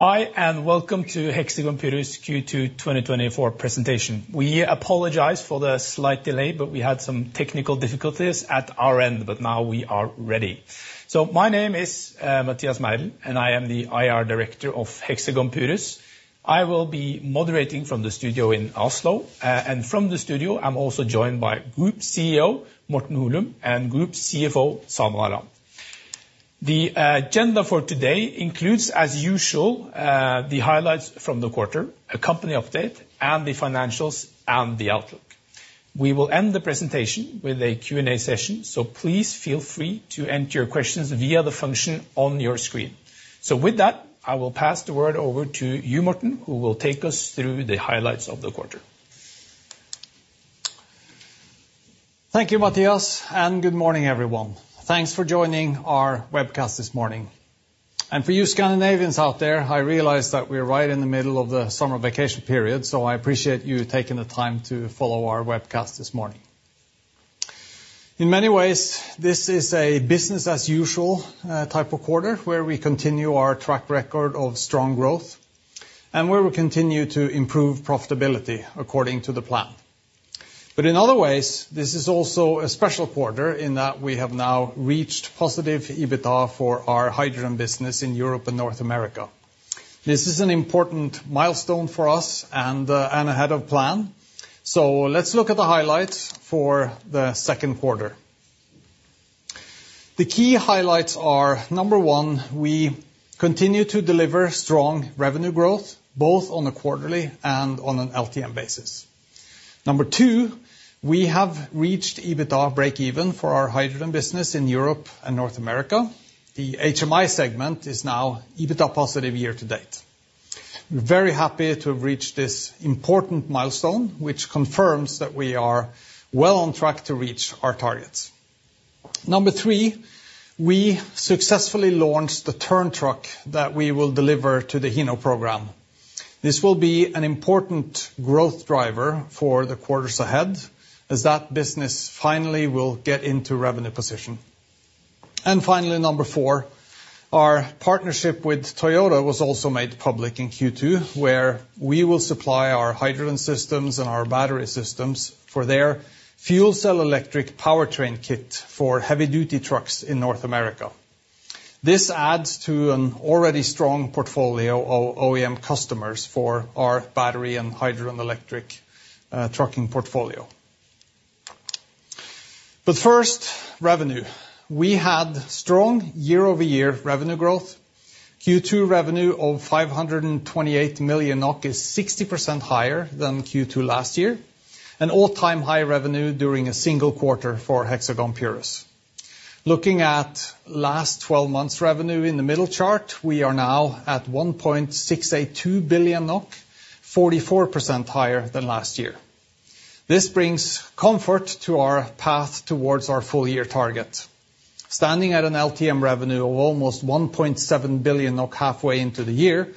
Hi, and welcome to Hexagon Purus Q2 2024 presentation. We apologize for the slight delay, but we had some technical difficulties at our end, but now we are ready. So my name is Mathias Meidell, and I am the IR Director of Hexagon Purus. I will be moderating from the studio in Oslo, and from the studio, I'm also joined by Group CEO Morten Holum, and Group CFO Salman Alam. The agenda for today includes, as usual, the highlights from the quarter, a company update, and the financials, and the outlook. We will end the presentation with a Q&A session, so please feel free to enter your questions via the function on your screen. So with that, I will pass the word over to you, Morten, who will take us through the highlights of the quarter. Thank you, Mathias, and good morning, everyone. Thanks for joining our webcast this morning. And for you Scandinavians out there, I realize that we're right in the middle of the summer vacation period, so I appreciate you taking the time to follow our webcast this morning. In many ways, this is a business as usual type of quarter, where we continue our track record of strong growth, and where we continue to improve profitability according to the plan. But in other ways, this is also a special quarter in that we have now reached positive EBITDA for our hydrogen business in Europe and North America. This is an important milestone for us and ahead of plan. So let's look at the highlights for the second quarter. The key highlights are, number one, we continue to deliver strong revenue growth, both on a quarterly and on an LTM basis. Number two, we have reached EBITDA breakeven for our hydrogen business in Europe and North America. The HMI segment is now EBITDA positive year to date. We're very happy to have reached this important milestone, which confirms that we are well on track to reach our targets. Number three, we successfully launched the Tern truck that we will deliver to the Hino program. This will be an important growth driver for the quarters ahead, as that business finally will get into revenue position. And finally, number four, our partnership with Toyota was also made public in Q2, where we will supply our hydrogen systems and our battery systems for their fuel cell electric powertrain kit for heavy duty trucks in North America. This adds to an already strong portfolio of OEM customers for our battery and hydrogen electric trucking portfolio. But first, revenue. We had strong year-over-year revenue growth. Q2 revenue of 528 million NOK is 60% higher than Q2 last year, an all-time high revenue during a single quarter for Hexagon Purus. Looking at last twelve months revenue in the middle chart, we are now at 1.682 billion NOK, 44% higher than last year. This brings comfort to our path towards our full year target. Standing at an LTM revenue of almost 1.7 billion halfway into the year,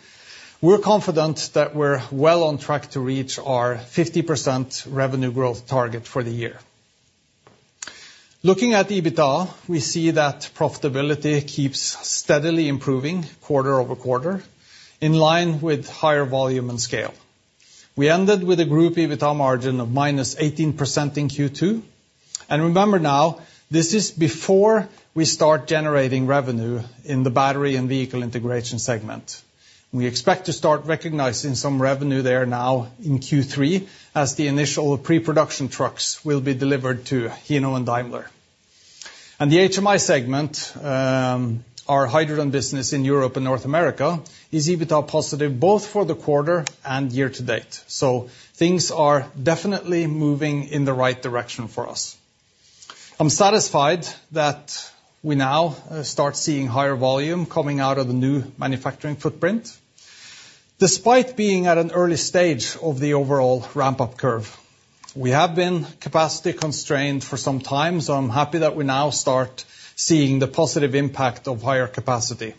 we're confident that we're well on track to reach our 50% revenue growth target for the year. Looking at EBITDA, we see that profitability keeps steadily improving quarter-over-quarter, in line with higher volume and scale. We ended with a group EBITDA margin of -18% in Q2. And remember now, this is before we start generating revenue in the battery and vehicle integration segment. We expect to start recognizing some revenue there now in Q3, as the initial pre-production trucks will be delivered to Hino and Daimler. And the HMI segment, our hydrogen business in Europe and North America, is EBITDA positive, both for the quarter and year to date. So things are definitely moving in the right direction for us. I'm satisfied that we now start seeing higher volume coming out of the new manufacturing footprint, despite being at an early stage of the overall ramp-up curve. We have been capacity constrained for some time, so I'm happy that we now start seeing the positive impact of higher capacity.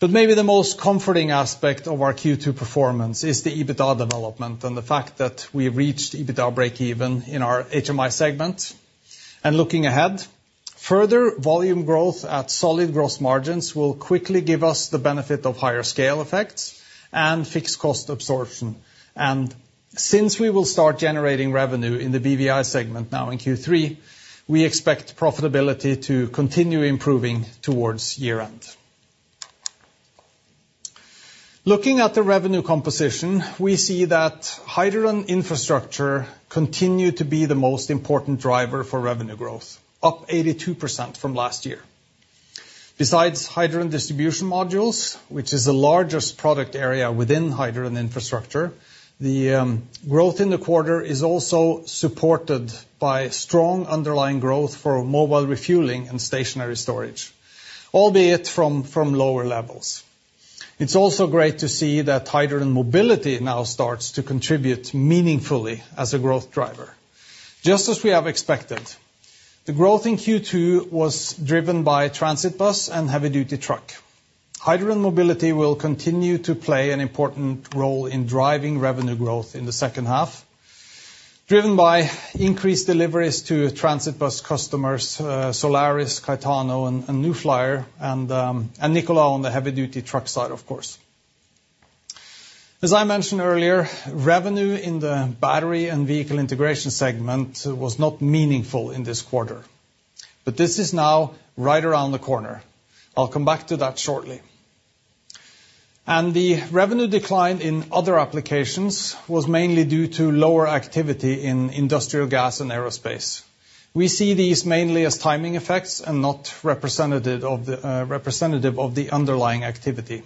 Maybe the most comforting aspect of our Q2 performance is the EBITDA development and the fact that we reached EBITDA breakeven in our HMI segment. Looking ahead, further volume growth at solid growth margins will quickly give us the benefit of higher scale effects and fixed cost absorption. Since we will start generating revenue in the BVI segment now in Q3, we expect profitability to continue improving towards year-end. Looking at the revenue composition, we see that hydrogen infrastructure continued to be the most important driver for revenue growth, up 82% from last year. Besides hydrogen distribution modules, which is the largest product area within hydrogen infrastructure, the growth in the quarter is also supported by strong underlying growth for mobile refueling and stationary storage, albeit from lower levels. It's also great to see that hydrogen mobility now starts to contribute meaningfully as a growth driver. Just as we have expected, the growth in Q2 was driven by transit bus and heavy-duty truck. Hydrogen mobility will continue to play an important role in driving revenue growth in the second half, driven by increased deliveries to transit bus customers, Solaris, Caetano, and New Flyer, and Nikola on the heavy duty truck side, of course. As I mentioned earlier, revenue in the battery and vehicle integration segment was not meaningful in this quarter, but this is now right around the corner. I'll come back to that shortly. And the revenue decline in other applications was mainly due to lower activity in industrial gas and aerospace. We see these mainly as timing effects and not representative of the underlying activity.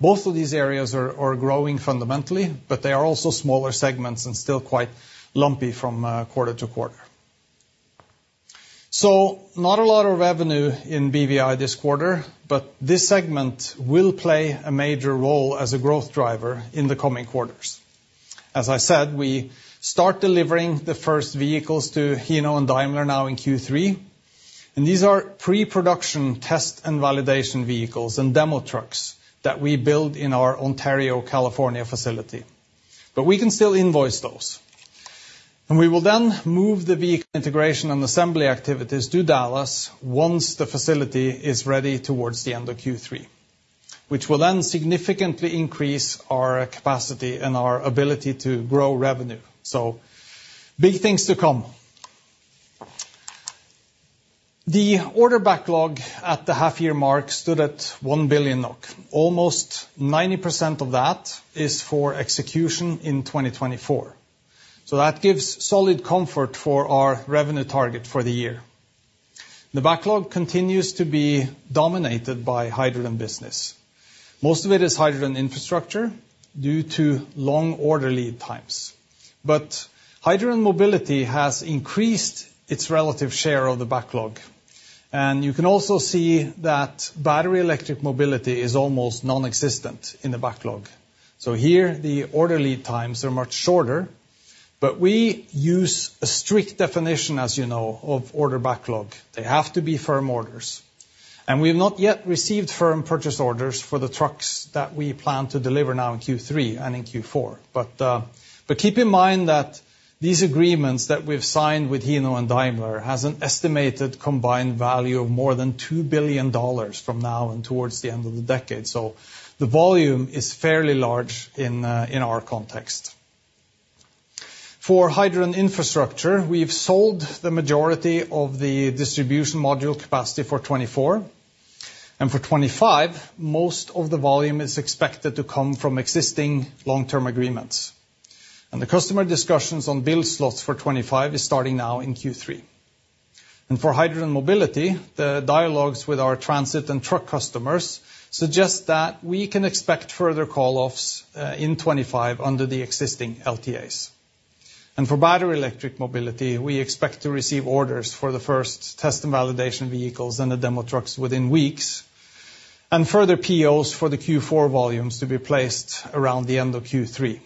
Both of these areas are, are growing fundamentally, but they are also smaller segments and still quite lumpy from quarter to quarter. So not a lot of revenue in BVI this quarter, but this segment will play a major role as a growth driver in the coming quarters. As I said, we start delivering the first vehicles to Hino and Daimler now in Q3, and these are pre-production test and validation vehicles and demo trucks that we build in our Ontario, California facility, but we can still invoice those. And we will then move the vehicle integration and assembly activities to Dallas once the facility is ready towards the end of Q3, which will then significantly increase our capacity and our ability to grow revenue. So big things to come. The order backlog at the half-year mark stood at 1 billion NOK. Almost 90% of that is for execution in 2024. So that gives solid comfort for our revenue target for the year. The backlog continues to be dominated by hydrogen business. Most of it is hydrogen infrastructure due to long order lead times. But hydrogen mobility has increased its relative share of the backlog, and you can also see that battery electric mobility is almost non-existent in the backlog. So here, the order lead times are much shorter, but we use a strict definition, as you know, of order backlog. They have to be firm orders. And we've not yet received firm purchase orders for the trucks that we plan to deliver now in Q3 and in Q4. But keep in mind that these agreements that we've signed with Hino and Daimler has an estimated combined value of more than $2 billion from now and towards the end of the decade. So the volume is fairly large in our context. For hydrogen infrastructure, we've sold the majority of the distribution module capacity for 2024, and for 2025, most of the volume is expected to come from existing long-term agreements. The customer discussions on build slots for 2025 is starting now in Q3. For hydrogen mobility, the dialogues with our transit and truck customers suggest that we can expect further call-offs in 2025 under the existing LTAs. For battery electric mobility, we expect to receive orders for the first test and validation vehicles and the demo trucks within weeks, and further POs for the Q4 volumes to be placed around the end of Q3.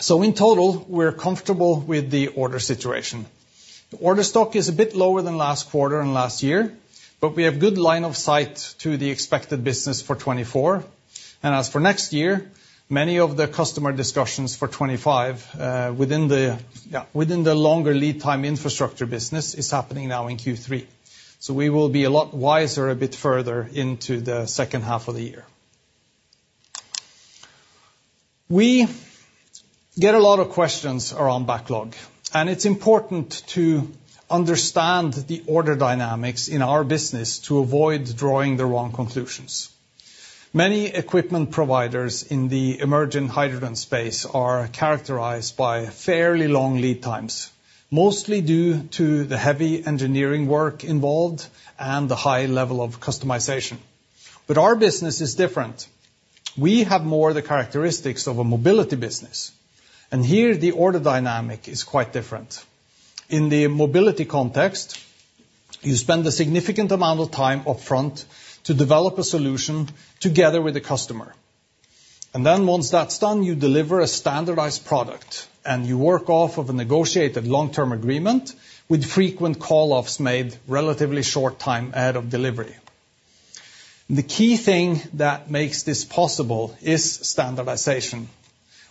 So in total, we're comfortable with the order situation. The order stock is a bit lower than last quarter and last year, but we have good line of sight to the expected business for 2024. And as for next year, many of the customer discussions for 2025, within the, within the longer lead time infrastructure business, is happening now in Q3. So we will be a lot wiser a bit further into the second half of the year. We get a lot of questions around backlog, and it's important to understand the order dynamics in our business to avoid drawing the wrong conclusions. Many equipment providers in the emerging hydrogen space are characterized by fairly long lead times, mostly due to the heavy engineering work involved and the high level of customization. Our business is different. We have more the characteristics of a mobility business, and here, the order dynamic is quite different. In the mobility context, you spend a significant amount of time upfront to develop a solution together with the customer. Then once that's done, you deliver a standardized product, and you work off of a negotiated long-term agreement with frequent call-offs made relatively short time ahead of delivery. The key thing that makes this possible is standardization.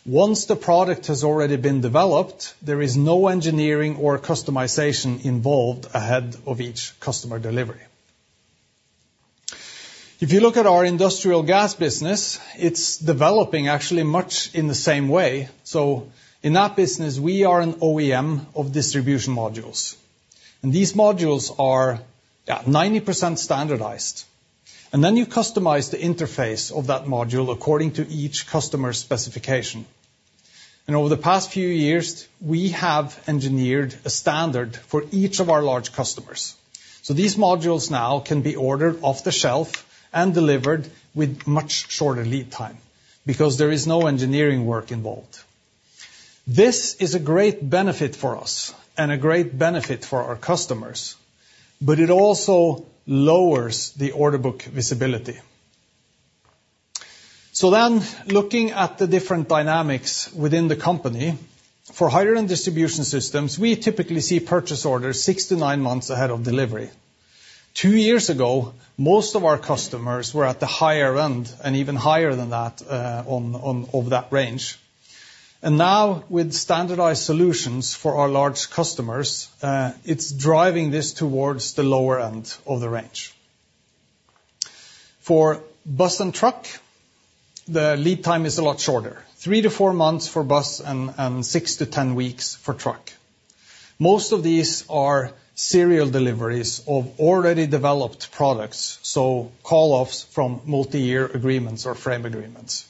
Once the product has already been developed, there is no engineering or customization involved ahead of each customer delivery. If you look at our industrial gas business, it's developing actually much in the same way. In that business, we are an OEM of distribution modules, and these modules are, yeah, 90% standardized. Then you customize the interface of that module according to each customer's specification. Over the past few years, we have engineered a standard for each of our large customers. These modules now can be ordered off the shelf and delivered with much shorter lead time because there is no engineering work involved. This is a great benefit for us and a great benefit for our customers, but it also lowers the order book visibility. Then, looking at the different dynamics within the company, for hydrogen distribution systems, we typically see purchase orders 6-9 months ahead of delivery. Two years ago, most of our customers were at the higher end, and even higher than that, of that range. Now, with standardized solutions for our large customers, it's driving this towards the lower end of the range. For bus and truck, the lead time is a lot shorter, three to four months for bus and six to 10 weeks for truck. Most of these are serial deliveries of already developed products, so call-offs from multi-year agreements or frame agreements.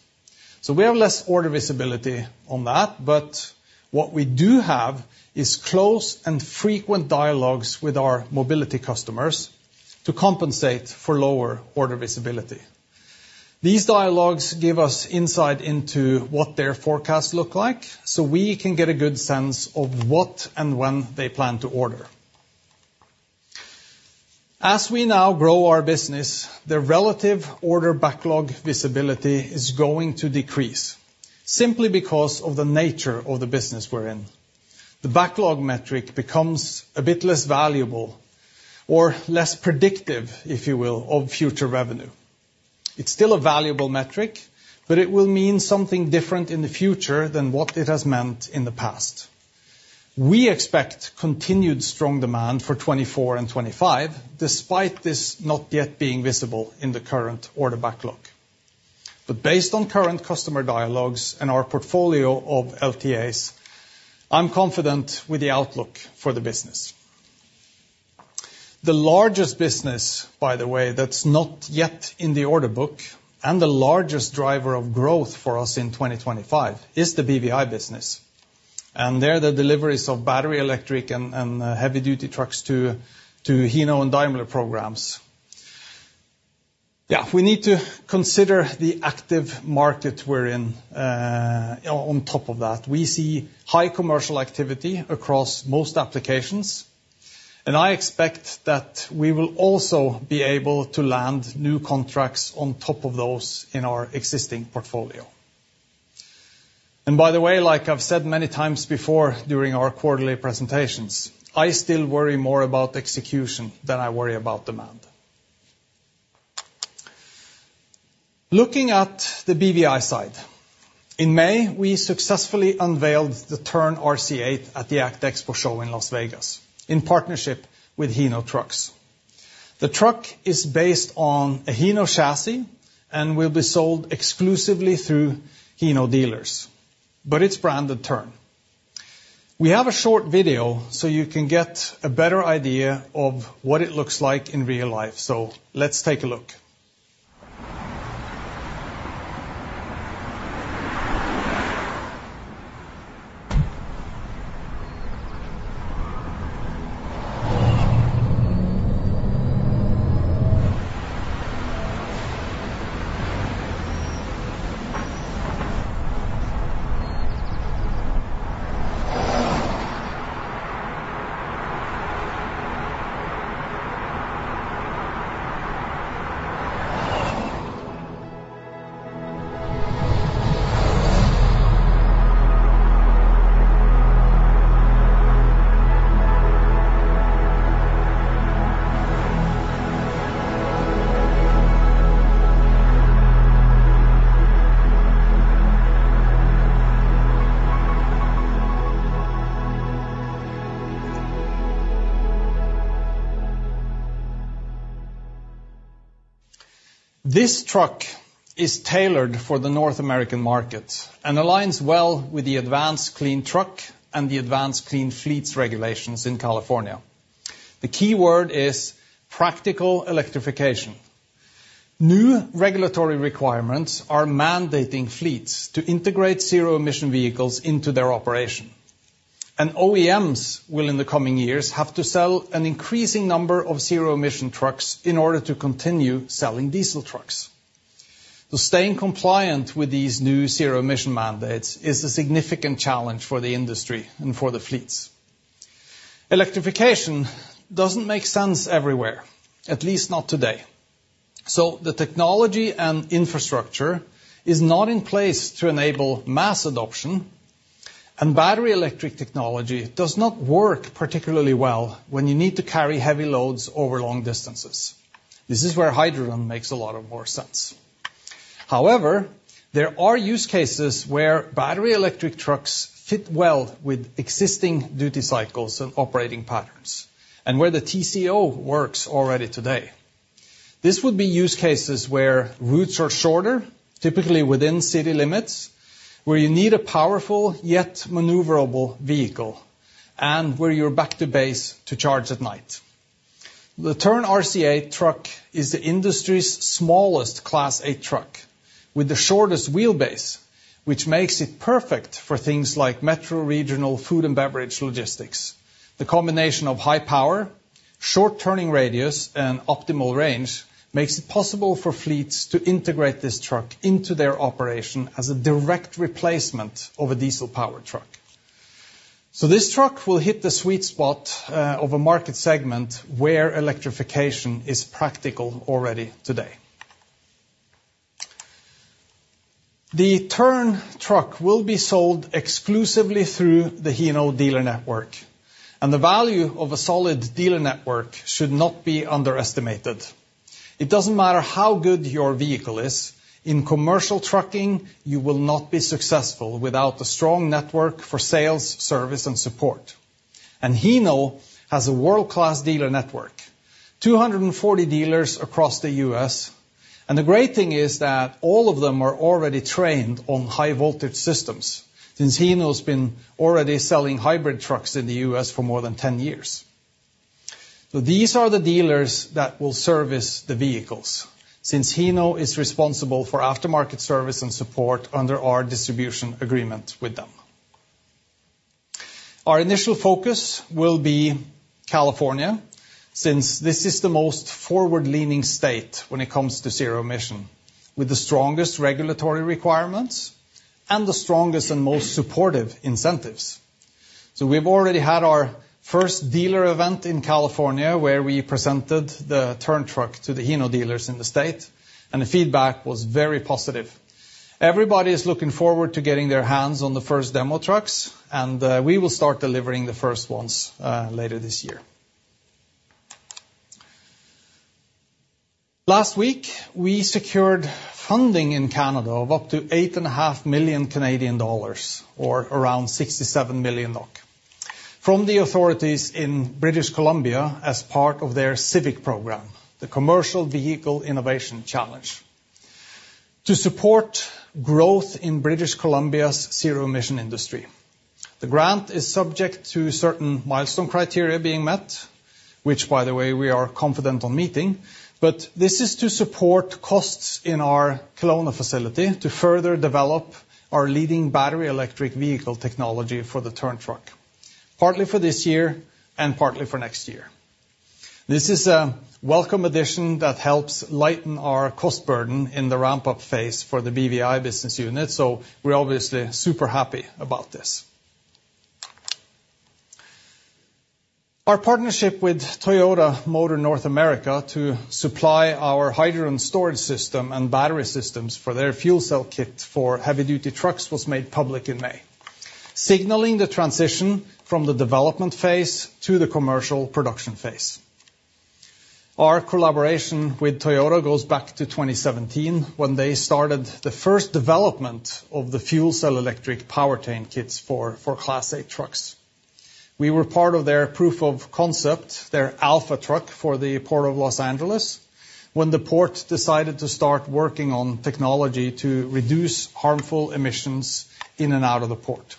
We have less order visibility on that, but what we do have is close and frequent dialogues with our mobility customers to compensate for lower order visibility. These dialogues give us insight into what their forecasts look like, so we can get a good sense of what and when they plan to order. As we now grow our business, the relative order backlog visibility is going to decrease, simply because of the nature of the business we're in. The backlog metric becomes a bit less valuable, or less predictive, if you will, of future revenue. It's still a valuable metric, but it will mean something different in the future than what it has meant in the past. We expect continued strong demand for 2024 and 2025, despite this not yet being visible in the current order backlog. But based on current customer dialogues and our portfolio of LTAs, I'm confident with the outlook for the business. The largest business, by the way, that's not yet in the order book, and the largest driver of growth for us in 2025, is the BVI business. And they're the deliveries of battery electric and heavy duty trucks to Hino and Daimler programs. Yeah, we need to consider the active market we're in, on top of that. We see high commercial activity across most applications, and I expect that we will also be able to land new contracts on top of those in our existing portfolio. By the way, like I've said many times before during our quarterly presentations, I still worry more about execution than I worry about demand. Looking at the BVI side, in May, we successfully unveiled the Tern RC8 at the ACT Expo Show in Las Vegas, in partnership with Hino Trucks. The truck is based on a Hino chassis and will be sold exclusively through Hino dealers, but it's branded Tern. We have a short video so you can get a better idea of what it looks like in real life, so let's take a look. This truck is tailored for the North American market, and aligns well with the Advanced Clean Truck and the Advanced Clean Fleets regulations in California. The key word is practical electrification. New regulatory requirements are mandating fleets to integrate zero-emission vehicles into their operation, and OEMs will, in the coming years, have to sell an increasing number of zero-emission trucks in order to continue selling diesel trucks. So staying compliant with these new zero-emission mandates is a significant challenge for the industry and for the fleets. Electrification doesn't make sense everywhere, at least not today. So the technology and infrastructure is not in place to enable mass adoption, and battery electric technology does not work particularly well when you need to carry heavy loads over long distances. This is where hydrogen makes a lot of more sense. However, there are use cases where battery electric trucks fit well with existing duty cycles and operating patterns, and where the TCO works already today. This would be use cases where routes are shorter, typically within city limits, where you need a powerful, yet maneuverable vehicle, and where you're back to base to charge at night. The Tern RC8 truck is the industry's smallest Class 8 truck, with the shortest wheelbase, which makes it perfect for things like metro, regional, food, and beverage logistics. The combination of high power, short turning radius, and optimal range makes it possible for fleets to integrate this truck into their operation as a direct replacement of a diesel-powered truck. So this truck will hit the sweet spot of a market segment where electrification is practical already today. The Tern truck will be sold exclusively through the Hino dealer network, and the value of a solid dealer network should not be underestimated. It doesn't matter how good your vehicle is, in commercial trucking, you will not be successful without a strong network for sales, service, and support. Hino has a world-class dealer network, 240 dealers across the U.S., and the great thing is that all of them are already trained on high-voltage systems, since Hino's been already selling hybrid trucks in the U.S. for more than 10 years. These are the dealers that will service the vehicles, since Hino is responsible for aftermarket service and support under our distribution agreement with them. Our initial focus will be California, since this is the most forward-leaning state when it comes to zero-emission, with the strongest regulatory requirements and the strongest and most supportive incentives. We've already had our first dealer event in California, where we presented the Tern truck to the Hino dealers in the state, and the feedback was very positive. Everybody is looking forward to getting their hands on the first demo trucks, and we will start delivering the first ones later this year. Last week, we secured funding in Canada of up to 8.5 million Canadian dollars, or around 67 million, from the authorities in British Columbia as part of their CIVIC program, the Commercial Vehicle Innovation Challenge, to support growth in British Columbia's zero-emission industry. The grant is subject to certain milestone criteria being met, which, by the way, we are confident on meeting, but this is to support costs in our Kelowna facility to further develop our leading battery electric vehicle technology for the Tern truck, partly for this year and partly for next year. This is a welcome addition that helps lighten our cost burden in the ramp-up phase for the BVI business unit, so we're obviously super happy about this. Our partnership with Toyota Motor North America to supply our hydrogen storage system and battery systems for their fuel cell kit for heavy-duty trucks was made public in May, signaling the transition from the development phase to the commercial production phase. Our collaboration with Toyota goes back to 2017, when they started the first development of the fuel cell electric powertrain kits for Class 8 trucks. We were part of their proof of concept, their alpha truck for the Port of Los Angeles, when the port decided to start working on technology to reduce harmful emissions in and out of the port.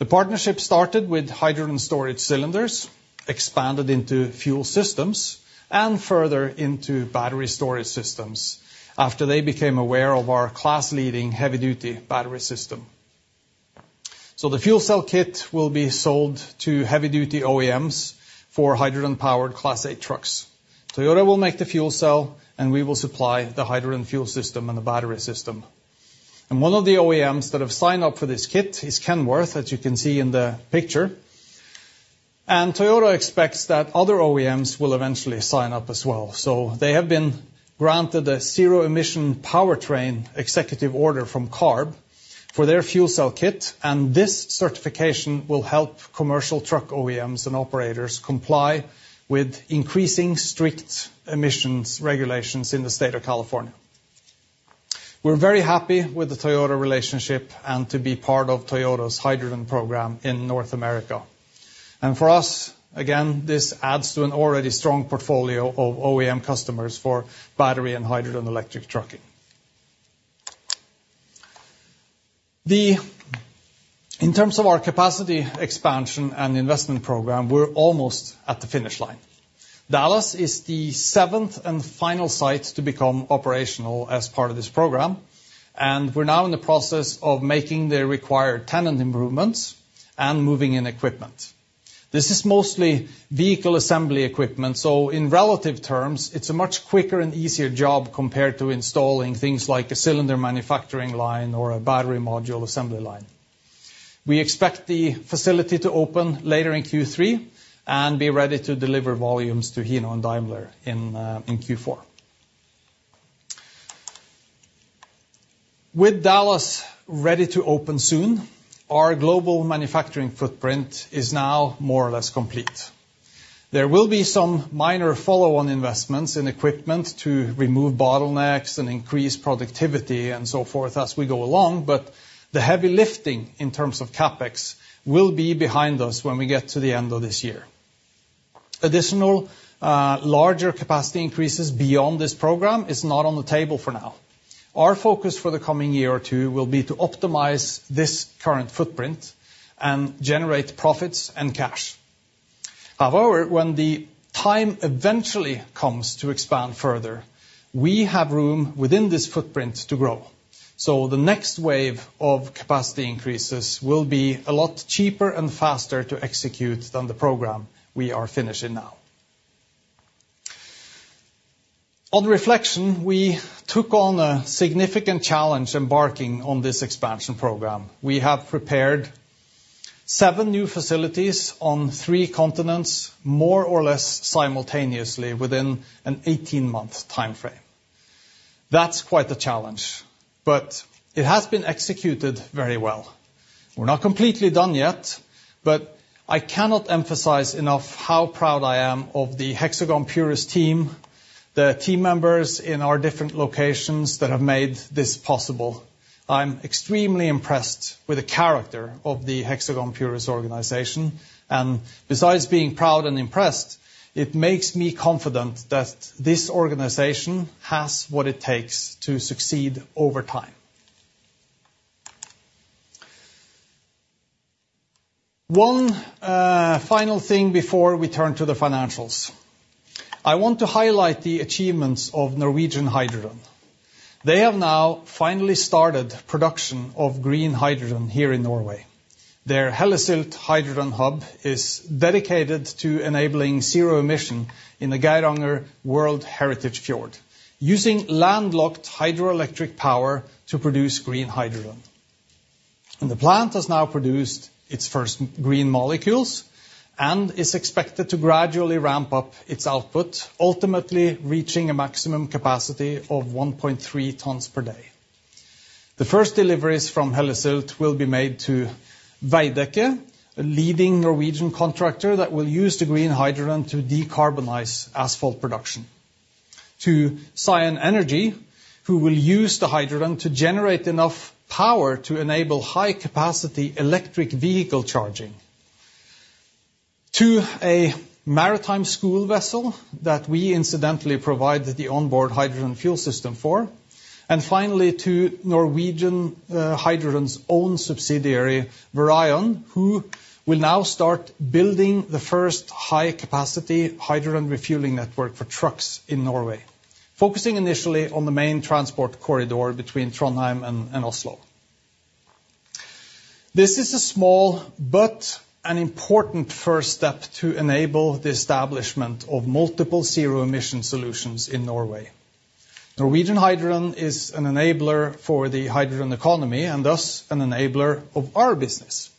The partnership started with hydrogen storage cylinders, expanded into fuel systems, and further into battery storage systems after they became aware of our class-leading heavy-duty battery system. The fuel cell kit will be sold to heavy-duty OEMs for hydrogen-powered Class 8 trucks. Toyota will make the fuel cell, and we will supply the hydrogen fuel system and the battery system. One of the OEMs that have signed up for this kit is Kenworth, as you can see in the picture, and Toyota expects that other OEMs will eventually sign up as well. So they have been granted a zero-emission powertrain executive order from CARB for their fuel cell kit, and this certification will help commercial truck OEMs and operators comply with increasingly strict emissions regulations in the state of California. We're very happy with the Toyota relationship and to be part of Toyota's hydrogen program in North America. And for us, again, this adds to an already strong portfolio of OEM customers for battery and hydrogen electric trucking. In terms of our capacity expansion and investment program, we're almost at the finish line. Dallas is the seventh and final site to become operational as part of this program, and we're now in the process of making the required tenant improvements and moving in equipment. This is mostly vehicle assembly equipment, so in relative terms, it's a much quicker and easier job compared to installing things like a cylinder manufacturing line or a battery module assembly line. We expect the facility to open later in Q3 and be ready to deliver volumes to Hino and Daimler in Q4. With Dallas ready to open soon, our global manufacturing footprint is now more or less complete. There will be some minor follow-on investments in equipment to remove bottlenecks and increase productivity and so forth as we go along, but the heavy lifting in terms of CapEx will be behind us when we get to the end of this year. Additional, larger capacity increases beyond this program is not on the table for now. Our focus for the coming year or two will be to optimize this current footprint and generate profits and cash. However, when the time eventually comes to expand further, we have room within this footprint to grow, so the next wave of capacity increases will be a lot cheaper and faster to execute than the program we are finishing now. On reflection, we took on a significant challenge embarking on this expansion program. We have seven new facilities on three continents, more or less simultaneously within an 18-month timeframe. That's quite the challenge, but it has been executed very well. We're not completely done yet, but I cannot emphasize enough how proud I am of the Hexagon Purus team, the team members in our different locations that have made this possible. I'm extremely impressed with the character of the Hexagon Purus organization, and besides being proud and impressed, it makes me confident that this organization has what it takes to succeed over time. One final thing before we turn to the financials. I want to highlight the achievements of Norwegian Hydrogen. They have now finally started production of green hydrogen here in Norway. Their Hellesylt Hydrogen Hub is dedicated to enabling zero-emission in the Geiranger World Heritage Fjord, using landlocked hydroelectric power to produce green hydrogen. The plant has now produced its first green molecules, and is expected to gradually ramp up its output, ultimately reaching a maximum capacity of 1.3 tons per day. The first deliveries from Hellesylt will be made to Veidekke, a leading Norwegian contractor that will use the green hydrogen to decarbonize asphalt production. To Cyan Energy, who will use the hydrogen to generate enough power to enable high-capacity electric vehicle charging. To a maritime school vessel that we incidentally provide the onboard hydrogen fuel system for. And finally, to Norwegian Hydrogen's own subsidiary, Vireon, who will now start building the first high-capacity hydrogen refueling network for trucks in Norway, focusing initially on the main transport corridor between Trondheim and Oslo. This is a small but an important first step to enable the establishment of multiple zero-emission solutions in Norway. Norwegian Hydrogen is an enabler for the hydrogen economy, and thus an enabler of our business.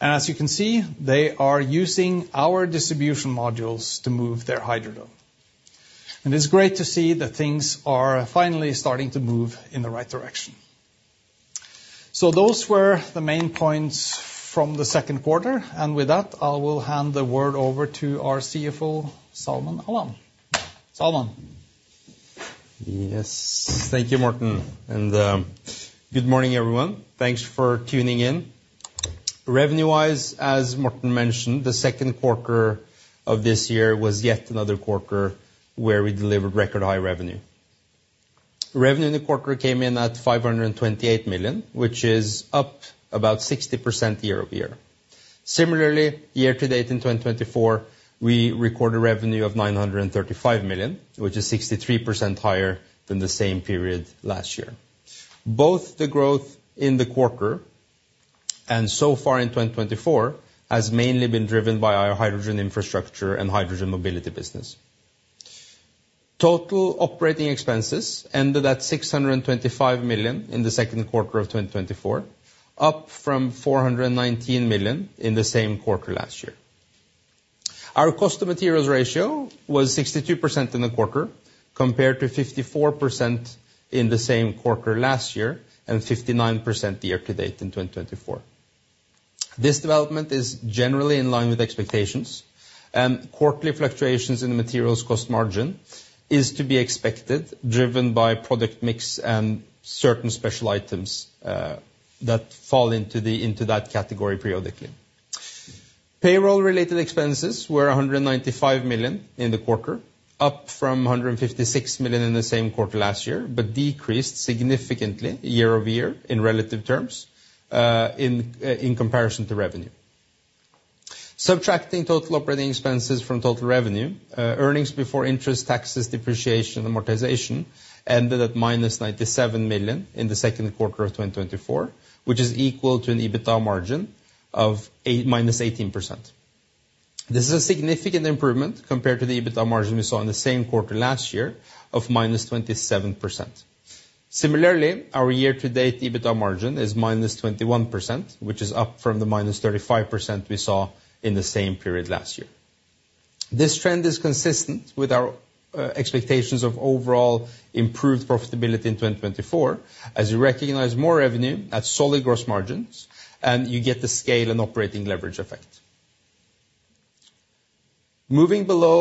As you can see, they are using our distribution modules to move their hydrogen, and it's great to see that things are finally starting to move in the right direction. So those were the main points from the second quarter, and with that, I will hand the word over to our CFO, Salman Alam. Salman? Yes. Thank you, Morten, and, good morning, everyone. Thanks for tuning in. Revenue-wise, as Morten mentioned, the second quarter of this year was yet another quarter where we delivered record high revenue. Revenue in the quarter came in at 528 million, which is up about 60% year-over-year. Similarly, year to date in 2024, we recorded revenue of 935 million, which is 63% higher than the same period last year. Both the growth in the quarter and so far in 2024, has mainly been driven by our hydrogen infrastructure and hydrogen mobility business. Total operating expenses ended at 625 million in the second quarter of 2024, up from 419 million in the same quarter last year. Our cost of materials ratio was 62% in the quarter, compared to 54% in the same quarter last year, and 59% year to date in 2024. This development is generally in line with expectations, and quarterly fluctuations in the materials cost margin is to be expected, driven by product mix and certain special items that fall into that category periodically. Payroll-related expenses were 195 million in the quarter, up from 156 million in the same quarter last year, but decreased significantly year-over-year in relative terms in comparison to revenue. Subtracting total operating expenses from total revenue, earnings before interest, taxes, depreciation, and amortization ended at -97 million in the second quarter of 2024, which is equal to an EBITDA margin of -18%. This is a significant improvement compared to the EBITDA margin we saw in the same quarter last year of -27%. Similarly, our year-to-date EBITDA margin is -21%, which is up from the -35% we saw in the same period last year. This trend is consistent with our expectations of overall improved profitability in 2024, as you recognize more revenue at solid gross margins, and you get the scale and operating leverage effect. Moving below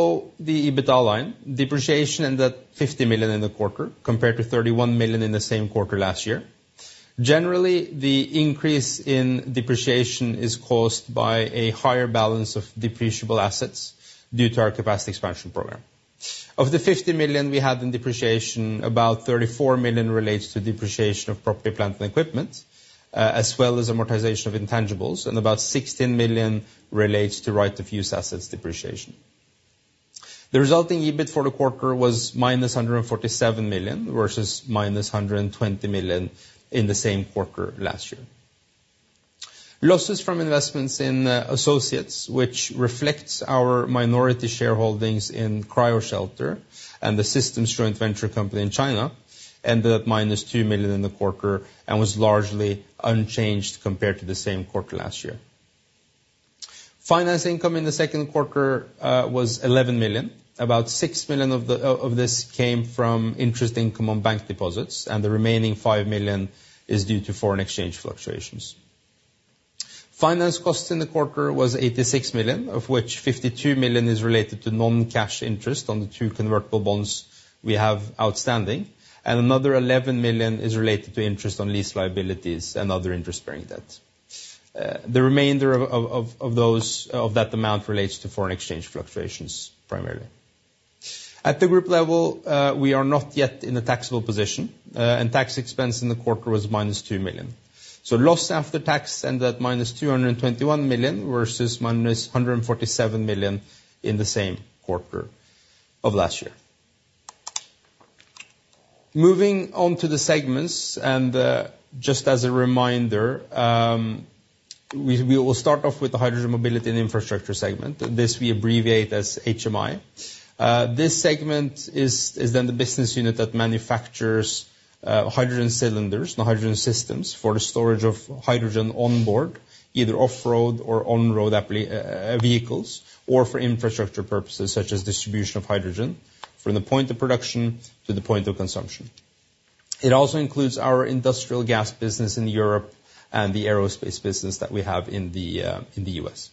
the EBITDA line, depreciation ended at 50 million in the quarter, compared to 31 million in the same quarter last year. Generally, the increase in depreciation is caused by a higher balance of depreciable assets due to our capacity expansion program. Of the 50 million we had in depreciation, about 34 million relates to depreciation of property, plant, and equipment, as well as amortization of intangibles, and about 16 million relates to right-of-use assets depreciation. The resulting EBIT for the quarter was -147 million, versus -120 million in the same quarter last year. Losses from investments in associates, which reflects our minority shareholdings in Cryoshelter and the Systems joint venture company in China, ended up -2 million in the quarter, and was largely unchanged compared to the same quarter last year. Finance income in the second quarter was 11 million. About 6 million of this came from interest income on bank deposits, and the remaining 5 million is due to foreign exchange fluctuations. Finance costs in the quarter was 86 million, of which 52 million is related to non-cash interest on the 2 convertible bonds we have outstanding, and another 11 million is related to interest on lease liabilities and other interest-bearing debt. The remainder of that amount relates to foreign exchange fluctuations, primarily. At the group level, we are not yet in a taxable position, and tax expense in the quarter was -2 million. So loss after tax ended at -221 million, versus -147 million in the same quarter of last year. Moving on to the segments, and, just as a reminder, we will start off with the hydrogen mobility and infrastructure segment. This we abbreviate as HMI. This segment is then the business unit that manufactures hydrogen cylinders and hydrogen systems for the storage of hydrogen on board, either off-road or on-road vehicles, or for infrastructure purposes, such as distribution of hydrogen from the point of production to the point of consumption. It also includes our industrial gas business in Europe and the aerospace business that we have in the US.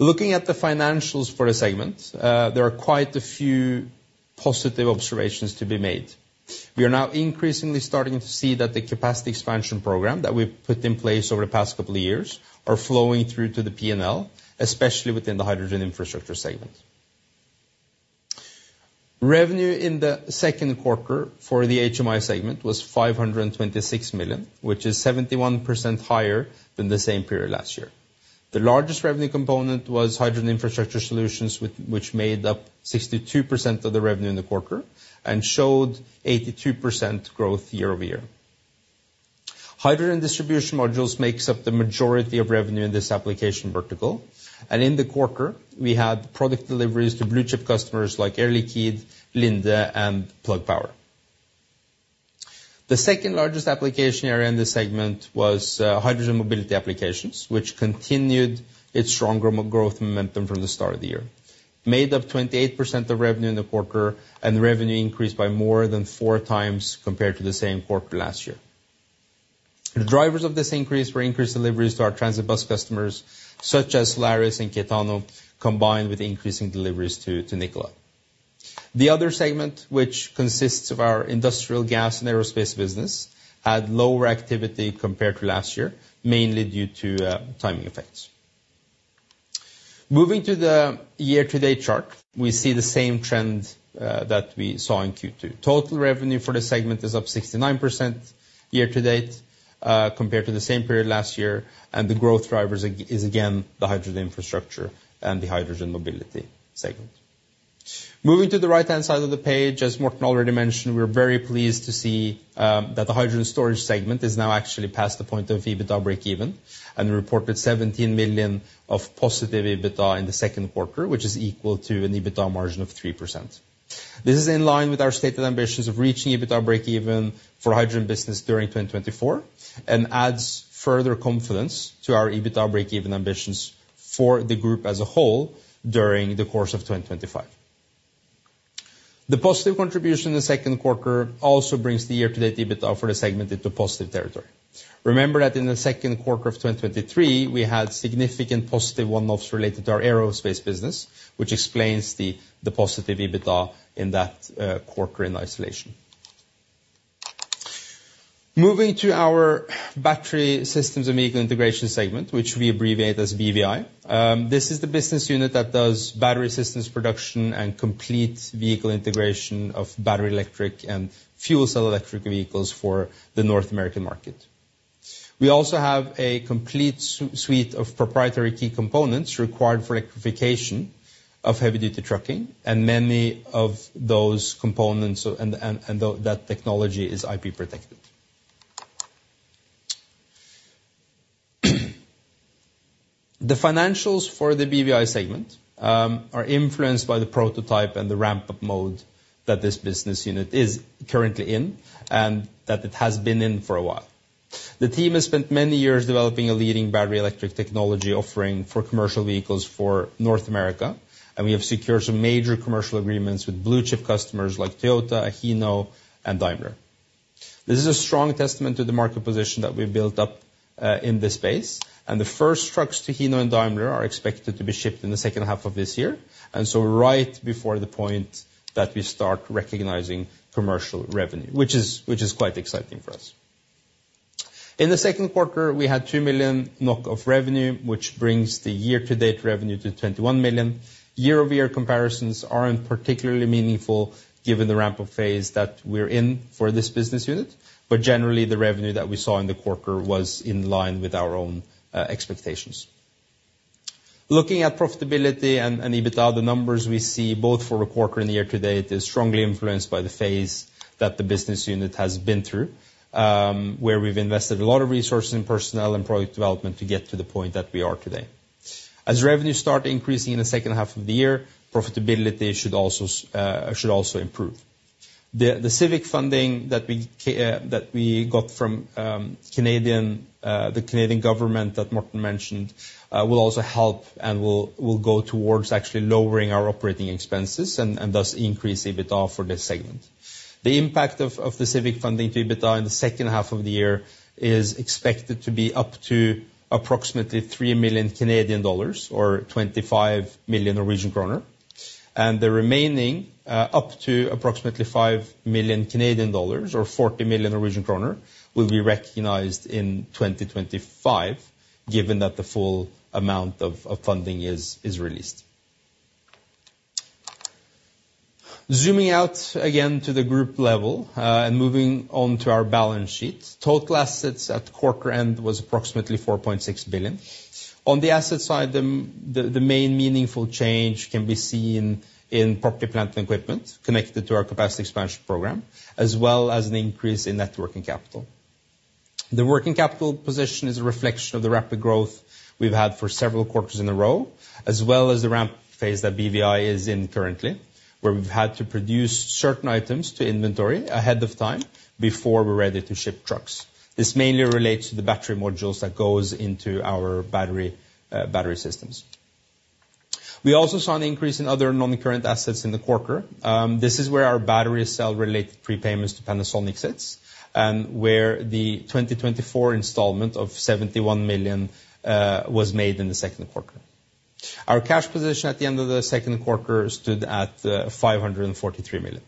Looking at the financials for a segment, there are quite a few positive observations to be made. We are now increasingly starting to see that the capacity expansion program that we've put in place over the past couple of years are flowing through to the P&L, especially within the hydrogen infrastructure segment. Revenue in the second quarter for the HMI segment was 526 million, which is 71% higher than the same period last year. The largest revenue component was hydrogen infrastructure solutions, which made up 62% of the revenue in the quarter, and showed 82% growth year-over-year. Hydrogen distribution modules makes up the majority of revenue in this application vertical, and in the quarter, we had product deliveries to blue-chip customers like Air Liquide, Linde, and Plug Power. The second largest application area in this segment was hydrogen mobility applications, which continued its stronger growth momentum from the start of the year. Made up 28% of revenue in the quarter, and revenue increased by more than 4 times compared to the same quarter last year. The drivers of this increase were increased deliveries to our transit bus customers, such as Solaris and Caetano, combined with increasing deliveries to, to Nikola. The other segment, which consists of our industrial gas and aerospace business, had lower activity compared to last year, mainly due to timing effects. Moving to the year-to-date chart, we see the same trend that we saw in Q2. Total revenue for the segment is up 69% year to date, compared to the same period last year, and the growth drivers is again, the hydrogen infrastructure and the hydrogen mobility segment. Moving to the right-hand side of the page, as Morten already mentioned, we're very pleased to see that the hydrogen storage segment is now actually past the point of EBITDA breakeven, and reported 17 million of positive EBITDA in the second quarter, which is equal to an EBITDA margin of 3%. This is in line with our stated ambitions of reaching EBITDA breakeven for hydrogen business during 2024, and adds further confidence to our EBITDA breakeven ambitions for the group as a whole during the course of 2025. The positive contribution in the second quarter also brings the year-to-date EBITDA for the segment into positive territory. Remember that in the second quarter of 2023, we had significant positive one-offs related to our aerospace business, which explains the positive EBITDA in that quarter in isolation. Moving to our battery systems and vehicle integration segment, which we abbreviate as BVI. This is the business unit that does battery systems production and complete vehicle integration of battery electric and fuel cell electric vehicles for the North American market. We also have a complete suite of proprietary key components required for electrification of heavy-duty trucking, and many of those components and that technology is IP protected. The financials for the BVI segment are influenced by the prototype and the ramp-up mode that this business unit is currently in, and that it has been in for a while. The team has spent many years developing a leading battery electric technology offering for commercial vehicles for North America, and we have secured some major commercial agreements with blue-chip customers like Toyota, Hino, and Daimler. This is a strong testament to the market position that we've built up in this space, and the first trucks to Hino and Daimler are expected to be shipped in the second half of this year. So right before the point that we start recognizing commercial revenue, which is, which is quite exciting for us. In the second quarter, we had 2 million NOK of revenue, which brings the year-to-date revenue to 21 million NOK. Year-over-year comparisons aren't particularly meaningful given the ramp-up phase that we're in for this business unit, but generally, the revenue that we saw in the quarter was in line with our own expectations. Looking at profitability and EBITDA, the numbers we see, both for the quarter and the year to date, is strongly influenced by the phase that the business unit has been through. where we've invested a lot of resources in personnel and product development to get to the point that we are today. As revenue start increasing in the second half of the year, profitability should also improve. The CIVIC funding that we got from the Canadian government that Morten mentioned will also help, and will go towards actually lowering our operating expenses, and thus increase EBITDA for this segment. The impact of the CIVIC funding to EBITDA in the second half of the year is expected to be up to approximately 3 million Canadian dollars, or 25 million Norwegian kroner. And the remaining up to approximately 5 million Canadian dollars, or 40 million Norwegian kroner, will be recognized in 2025, given that the full amount of funding is released. Zooming out again to the group level, and moving on to our balance sheet, total assets at quarter end was approximately 4.6 billion. On the asset side, the main meaningful change can be seen in property, plant, and equipment connected to our capacity expansion program, as well as an increase in net working capital. The working capital position is a reflection of the rapid growth we've had for several quarters in a row, as well as the ramp phase that BVI is in currently, where we've had to produce certain items to inventory ahead of time before we're ready to ship trucks. This mainly relates to the battery modules that goes into our battery, battery systems. We also saw an increase in other non-current assets in the quarter. This is where our battery cell-related prepayments to Panasonic sits, and where the 2024 installment of 71 million was made in the second quarter. Our cash position at the end of the second quarter stood at 543 million.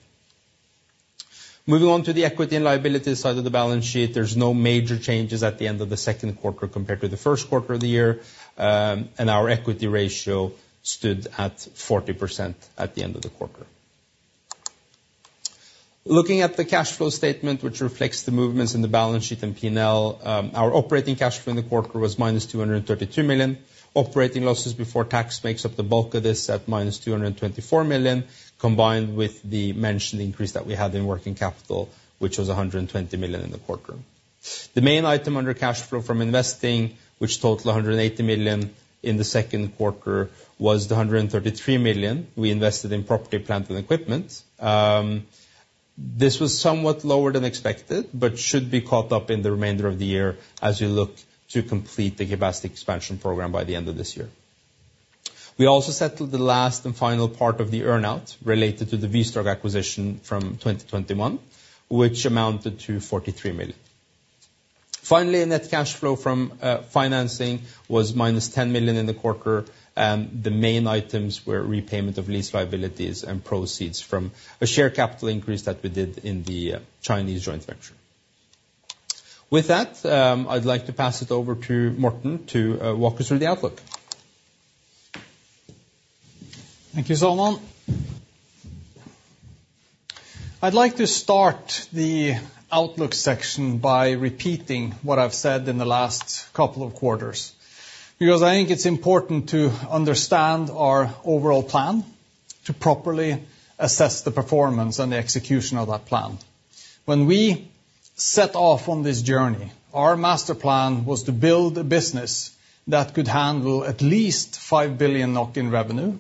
Moving on to the equity and liability side of the balance sheet, there's no major changes at the end of the second quarter compared to the first quarter of the year. And our equity ratio stood at 40% at the end of the quarter. Looking at the cash flow statement, which reflects the movements in the balance sheet and P&L, our operating cash flow in the quarter was -232 million. Operating losses before tax make up the bulk of this, at -224 million, combined with the mentioned increase that we had in working capital, which was 120 million in the quarter. The main item under cash flow from investing, which totaled 180 million in the second quarter, was the 133 million we invested in property, plant, and equipment. This was somewhat lower than expected, but should be caught up in the remainder of the year as we look to complete the capacity expansion program by the end of this year. We also settled the last and final part of the earn-out related to the Wystrach acquisition from 2021, which amounted to 43 million. Finally, net cash flow from financing was -10 million in the quarter, and the main items were repayment of lease liabilities and proceeds from a share capital increase that we did in the Chinese joint venture. With that, I'd like to pass it over to Morten to walk us through the outlook. Thank you, Salman. I'd like to start the outlook section by repeating what I've said in the last couple of quarters, because I think it's important to understand our overall plan to properly assess the performance and the execution of that plan. When we set off on this journey, our master plan was to build a business that could handle at least 5 billion in revenue,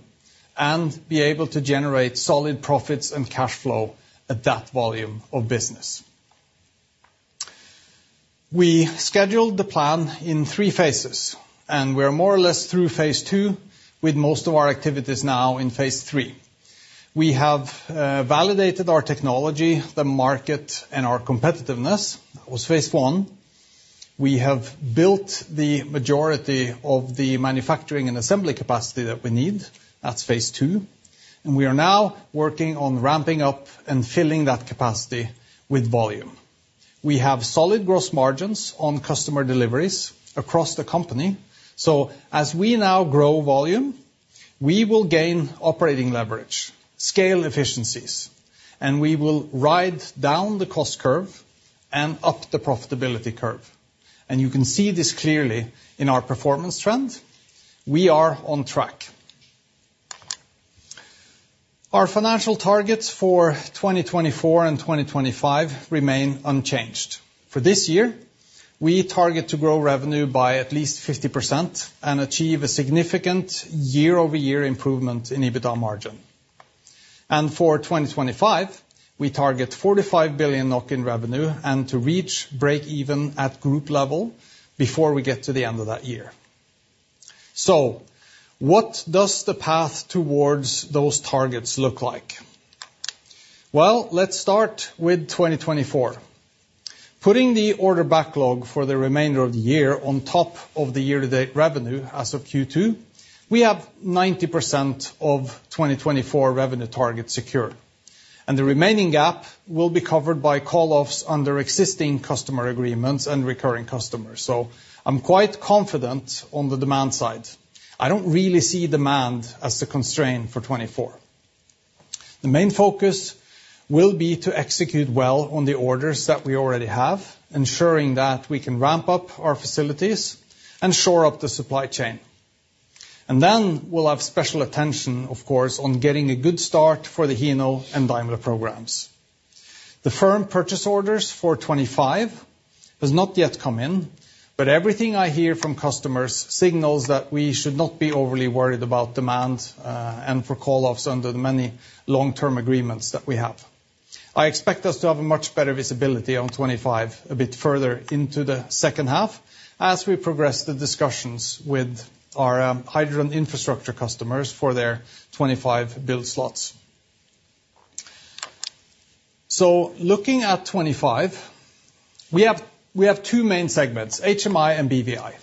and be able to generate solid profits and cash flow at that volume of business. We scheduled the plan in 3 phases, and we're more or less through phase II, with most of our activities now in phase II. We have validated our technology, the market, and our competitiveness. That was phase I. We have built the majority of the manufacturing and assembly capacity that we need, that's phase two, and we are now working on ramping up and filling that capacity with volume. We have solid gross margins on customer deliveries across the company, so as we now grow volume, we will gain operating leverage, scale efficiencies, and we will ride down the cost curve and up the profitability curve. And you can see this clearly in our performance trend. We are on track. Our financial targets for 2024 and 2025 remain unchanged. For this year, we target to grow revenue by at least 50%, and achieve a significant year-over-year improvement in EBITDA margin. And for 2025, we target 45 billion NOK in revenue, and to reach breakeven at group level before we get to the end of that year. So what does the path towards those targets look like? Well, let's start with 2024. Putting the order backlog for the remainder of the year on top of the year-to-date revenue as of Q2, we have 90% of 2024 revenue targets secure, and the remaining gap will be covered by call-offs under existing customer agreements and recurring customers. So I'm quite confident on the demand side. I don't really see demand as a constraint for 2024. The main focus will be to execute well on the orders that we already have, ensuring that we can ramp up our facilities and shore up the supply chain.... And then we'll have special attention, of course, on getting a good start for the Hino and Daimler programs. The firm purchase orders for 2025 has not yet come in, but everything I hear from customers signals that we should not be overly worried about demand, and for call-offs under the many long-term agreements that we have. I expect us to have a much better visibility on 2025, a bit further into the second half, as we progress the discussions with our hydrogen infrastructure customers for their 2025 build slots. So looking at 2025, we have, we have two main segments, HMI and BVI.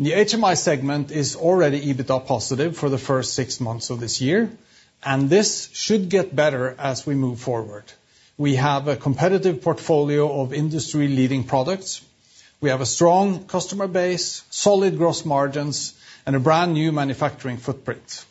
The HMI segment is already EBITDA positive for the first six months of this year, and this should get better as we move forward. We have a competitive portfolio of industry-leading products. We have a strong customer base, solid gross margins, and a brand-new manufacturing footprint.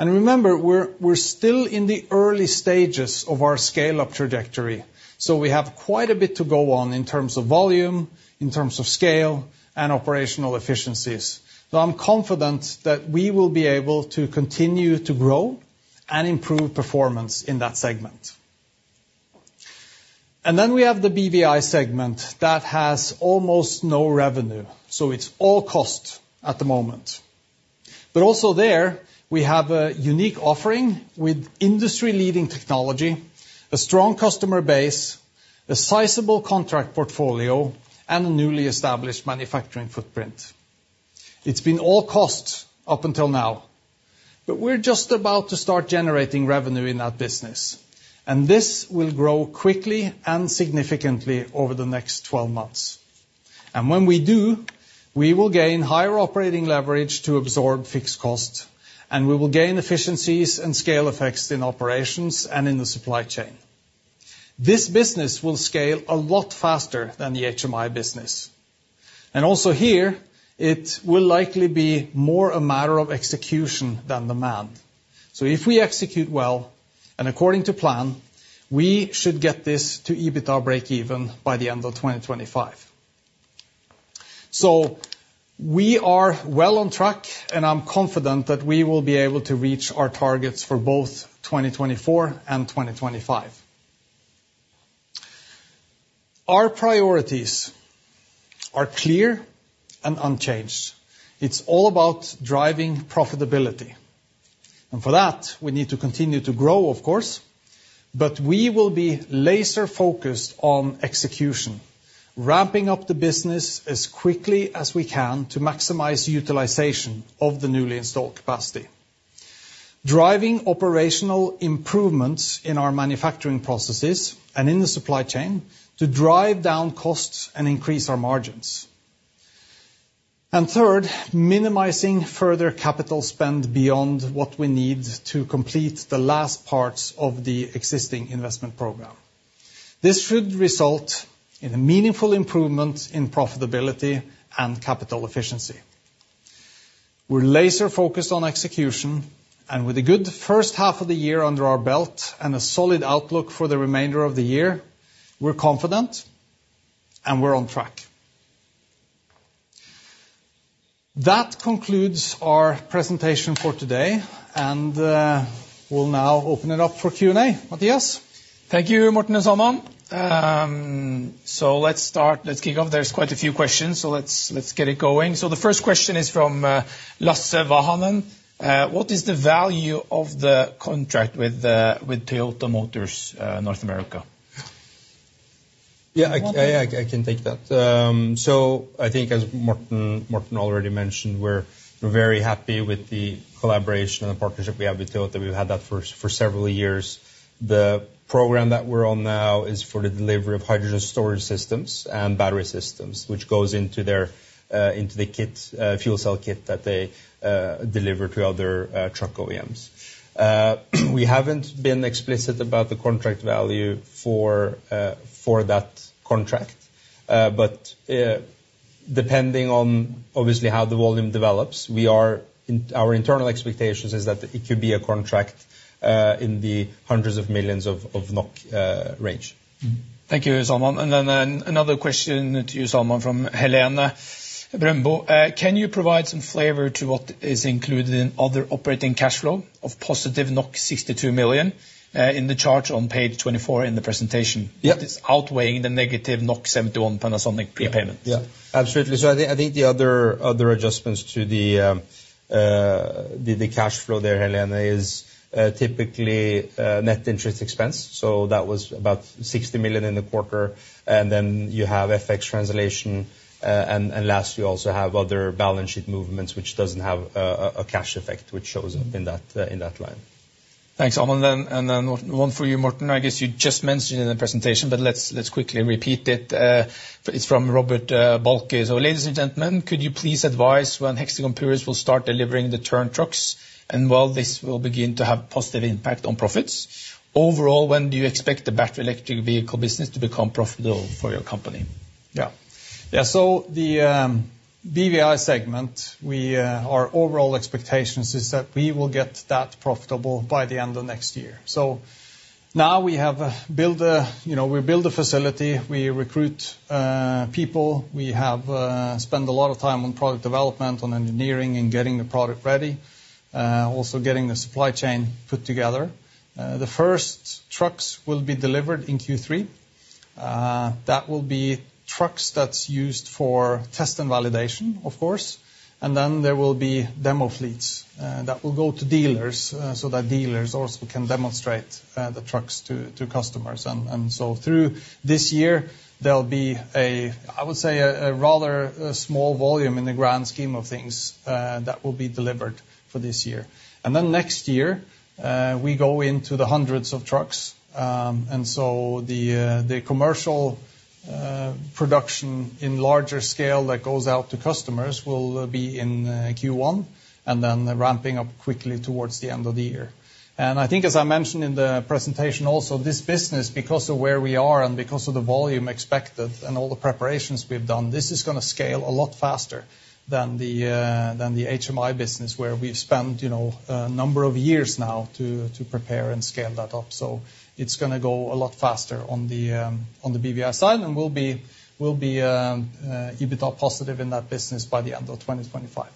And remember, we're still in the early stages of our scale-up trajectory, so we have quite a bit to go on in terms of volume, in terms of scale, and operational efficiencies. So I'm confident that we will be able to continue to grow and improve performance in that segment. And then we have the BVI segment that has almost no revenue, so it's all cost at the moment. But also there, we have a unique offering with industry-leading technology, a strong customer base, a sizable contract portfolio, and a newly established manufacturing footprint. It's been all cost up until now, but we're just about to start generating revenue in that business, and this will grow quickly and significantly over the next 12 months. When we do, we will gain higher operating leverage to absorb fixed costs, and we will gain efficiencies and scale effects in operations and in the supply chain. This business will scale a lot faster than the HMI business, and also here, it will likely be more a matter of execution than demand. So if we execute well, and according to plan, we should get this to EBITDA breakeven by the end of 2025. So we are well on track, and I'm confident that we will be able to reach our targets for both 2024 and 2025. Our priorities are clear and unchanged. It's all about driving profitability, and for that, we need to continue to grow, of course, but we will be laser-focused on execution, ramping up the business as quickly as we can to maximize utilization of the newly installed capacity. Driving operational improvements in our manufacturing processes and in the supply chain to drive down costs and increase our margins. And third, minimizing further capital spend beyond what we need to complete the last parts of the existing investment program. This should result in a meaningful improvement in profitability and capital efficiency. We're laser-focused on execution, and with a good first half of the year under our belt and a solid outlook for the remainder of the year, we're confident, and we're on track. That concludes our presentation for today, and we'll now open it up for Q&A. Mathias? Thank you, Morten and Salman. So let's start, let's kick off. There's quite a few questions, so let's get it going. So the first question is from Lasse Vahanen. What is the value of the contract with Toyota Motor North America? Yeah, I can take that. So I think as Morten already mentioned, we're very happy with the collaboration and the partnership we have with Toyota. We've had that for several years. The program that we're on now is for the delivery of hydrogen storage systems and battery systems, which goes into their fuel cell kit that they deliver to other truck OEMs. We haven't been explicit about the contract value for that contract, but depending on obviously how the volume develops, our internal expectations is that it could be a contract in the hundreds of millions of NOK range. Thank you, Salman. And then another question to you, Salman, from Helene Kvilhaug Brøndbo. Can you provide some flavor to what is included in other operating cash flow of positive 62 million, in the chart on page 24 in the presentation- Yep. - that is outweighing the negative 71 Panasonic prepayment? Yeah, absolutely. So I think the other adjustments to the cash flow there, Helene, is typically net interest expense, so that was about 60 million in the quarter, and then you have FX translation, and last, you also have other balance sheet movements, which doesn't have a cash effect, which shows up in that line. Thanks, Salman. And then one for you, Morten. I guess you just mentioned in the presentation, but let's, let's quickly repeat it. It's from Robert Balky. So ladies and gentlemen, could you please advise when Hexagon Purus will start delivering the Tern trucks, and while this will begin to have positive impact on profits, overall, when do you expect the battery electric vehicle business to become profitable for your company? Yeah. Yeah, so the BVI segment, we our overall expectations is that we will get that profitable by the end of next year. So now we have built a, you know, we build a facility, we recruit people. We have spent a lot of time on product development, on engineering, and getting the product ready, also getting the supply chain put together. The first trucks will be delivered in Q3. That will be trucks that's used for test and validation, of course, and then there will be demo fleets that will go to dealers, so that dealers also can demonstrate the trucks to customers. And so through this year, there'll be I would say a rather small volume in the grand scheme of things that will be delivered for this year. Then next year, we go into the hundreds of trucks. So the commercial production in larger scale that goes out to customers will be in Q1, and then ramping up quickly towards the end of the year. And I think, as I mentioned in the presentation also, this business, because of where we are and because of the volume expected and all the preparations we've done, this is gonna scale a lot faster than the HMI business, where we've spent, you know, a number of years now to prepare and scale that up. So it's gonna go a lot faster on the BVI side, and we'll be EBITDA positive in that business by the end of 2025.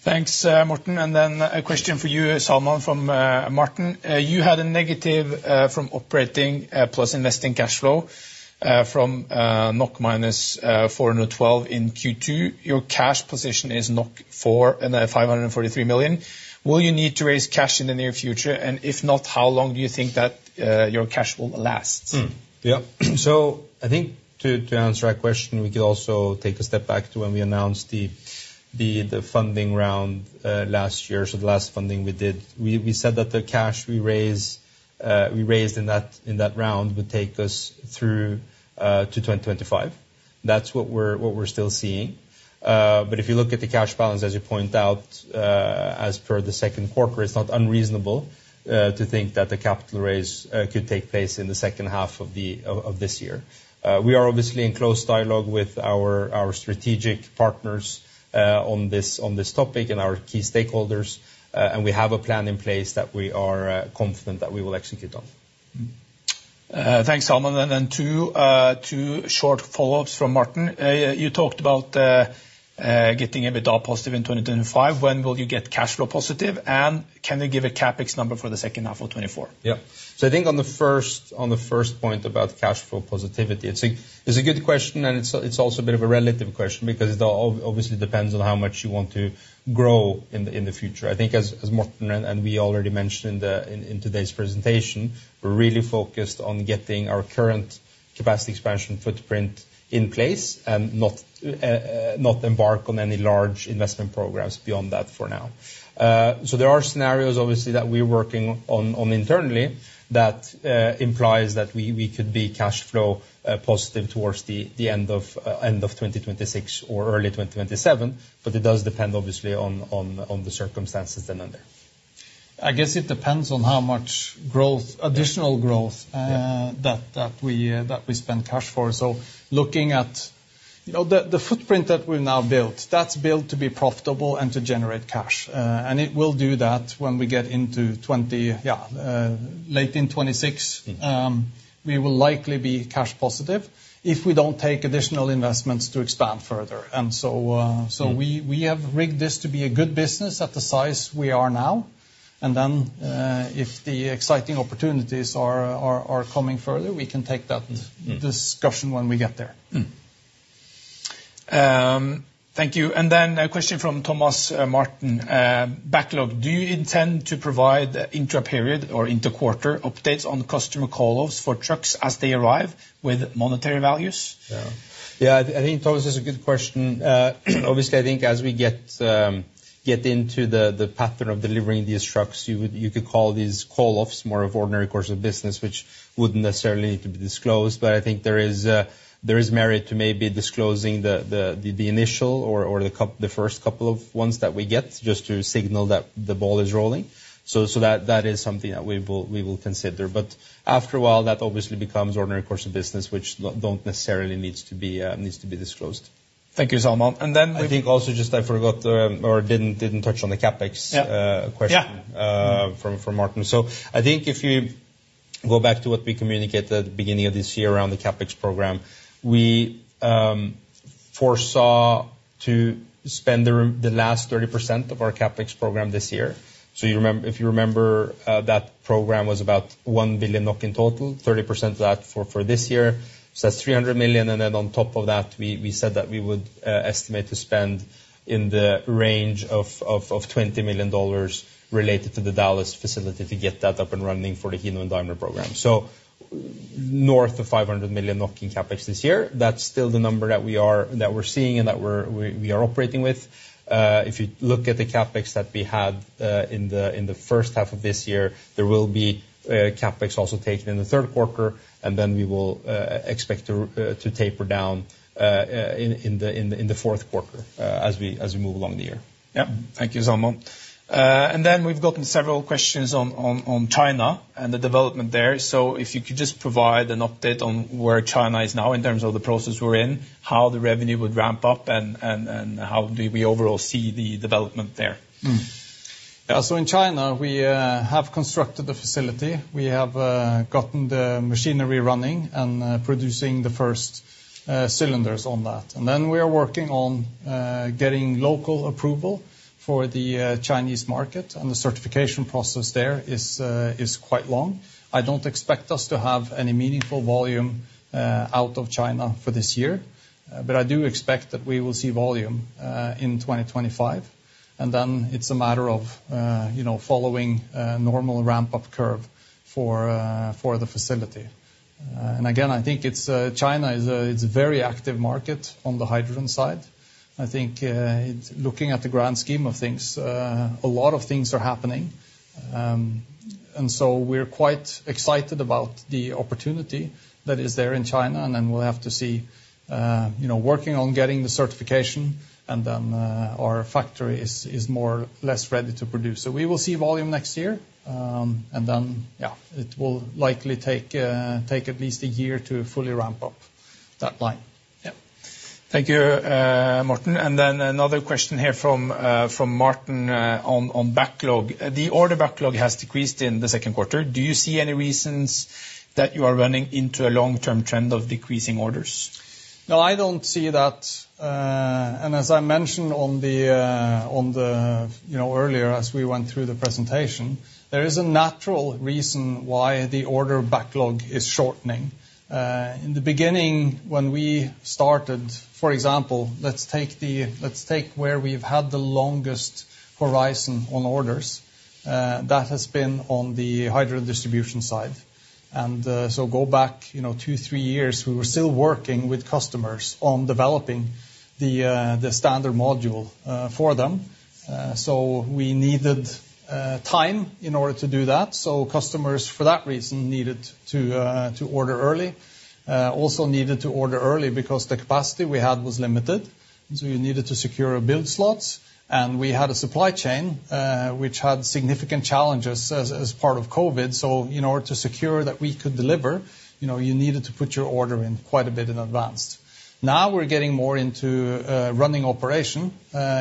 Thanks, Morten. Then a question for you, Salman, from Martin. You had a negative from operating plus investing cash flow from -412 million in Q2. Your cash position is 543 million. Will you need to raise cash in the near future? And if not, how long do you think that your cash will last? Hmm. Yeah. So I think to, to answer that question, we could also take a step back to when we announced the, the, the funding round, last year. So the last funding we did. We, we said that the cash we raise, we raised in that, in that round, would take us through, to 2025. That's what we're, what we're still seeing. But if you look at the cash balance, as you point out, as per the second quarter, it's not unreasonable, to think that the capital raise, could take place in the second half of the, of, of this year. We are obviously in close dialogue with our, our strategic partners, on this, on this topic and our key stakeholders, and we have a plan in place that we are, confident that we will execute on. Thanks, Salman. And then two short follow-ups from Martin. You talked about getting a bit positive in 2025. When will you get cash flow positive, and can you give a CapEx number for the second half of 2024? Yeah. So I think on the first point about cash flow positivity, it's a good question, and it's also a bit of a relative question because it obviously depends on how much you want to grow in the future. I think as Morten and we already mentioned in today's presentation, we're really focused on getting our current capacity expansion footprint in place and not embark on any large investment programs beyond that for now. So there are scenarios, obviously, that we're working on internally that implies that we could be cash flow positive towards the end of 2026 or early 2027, but it does depend, obviously, on the circumstances then and there. I guess it depends on how much growth, additional growth- Yeah... that we spend cash for. So looking at, you know, the footprint that we've now built, that's built to be profitable and to generate cash. And it will do that when we get into twenty... late in 2026 we will likely be cash positive if we don't take additional investments to expand further. And so we have rigged this to be a good business at the size we are now. And then, if the exciting opportunities are coming further, we can take that discussion when we get there. Thank you. And then a question from Thomas Martin. Backlog, do you intend to provide intra-period or inter-quarter updates on customer call-offs for trucks as they arrive with monetary values? Yeah. Yeah, I think Thomas, it's a good question. Obviously, I think as we get into the pattern of delivering these trucks, you could call these call-offs more of ordinary course of business, which wouldn't necessarily need to be disclosed. But I think there is merit to maybe disclosing the initial or the first couple of ones that we get, just to signal that the ball is rolling. So that is something that we will consider. But after a while, that obviously becomes ordinary course of business, which don't necessarily needs to be disclosed. Thank you, Salman. And then- I think also just I forgot, or didn't touch on the CapEx- Yeah... question- Yeah from Martin. So I think if you go back to what we communicated at the beginning of this year around the CapEx program, we foresaw to spend the last 30% of our CapEx program this year. If you remember, that program was about 1 billion NOK in total, 30% of that for this year. So that's 300 million, and then on top of that, we said that we would estimate to spend in the range of $20 million related to the Dallas facility to get that up and running for the Hino and Daimler program. So north of 500 million in CapEx this year, that's still the number that we're seeing and that we're operating with. If you look at the CapEx that we had in the first half of this year, there will be CapEx also taken in the third quarter, and then we will expect to taper down in the fourth quarter, as we move along the year. Yeah. Thank you, Salman. And then we've gotten several questions on, on, on China and the development there. So if you could just provide an update on where China is now in terms of the process we're in, how the revenue would ramp up, and, and, and how do we overall see the development there? Yeah, so in China, we have constructed the facility. We have gotten the machinery running and producing the first cylinders on that. And then we are working on getting local approval for the Chinese market, and the certification process there is quite long. I don't expect us to have any meaningful volume out of China for this year, but I do expect that we will see volume in 2025, and then it's a matter of you know, following a normal ramp-up curve for the facility. And again, I think it's China is a, it's a very active market on the hydrogen side. I think it's looking at the grand scheme of things, a lot of things are happening. And so we're quite excited about the opportunity that is there in China, and then we'll have to see, you know, working on getting the certification, and then our factory is more or less ready to produce. So we will see volume next year, and then, yeah, it will likely take at least a year to fully ramp up that line. Yeah. Thank you, Morten. And then another question here from Martin on backlog. The order backlog has decreased in the second quarter. Do you see any reasons that you are running into a long-term trend of decreasing orders? No, I don't see that, and as I mentioned on the, on the, you know, earlier, as we went through the presentation, there is a natural reason why the order backlog is shortening. In the beginning, when we started, for example, let's take where we've had the longest horizon on orders, that has been on the hydrogen distribution side. And so go back, you know, two, three years, we were still working with customers on developing the standard module for them. So we needed time in order to do that, so customers, for that reason, needed to order early. Also needed to order early because the capacity we had was limited, so you needed to secure build slots. And we had a supply chain, which had significant challenges as, as part of COVID, so in order to secure that we could deliver, you know, you needed to put your order in quite a bit in advance. Now, we're getting more into running operation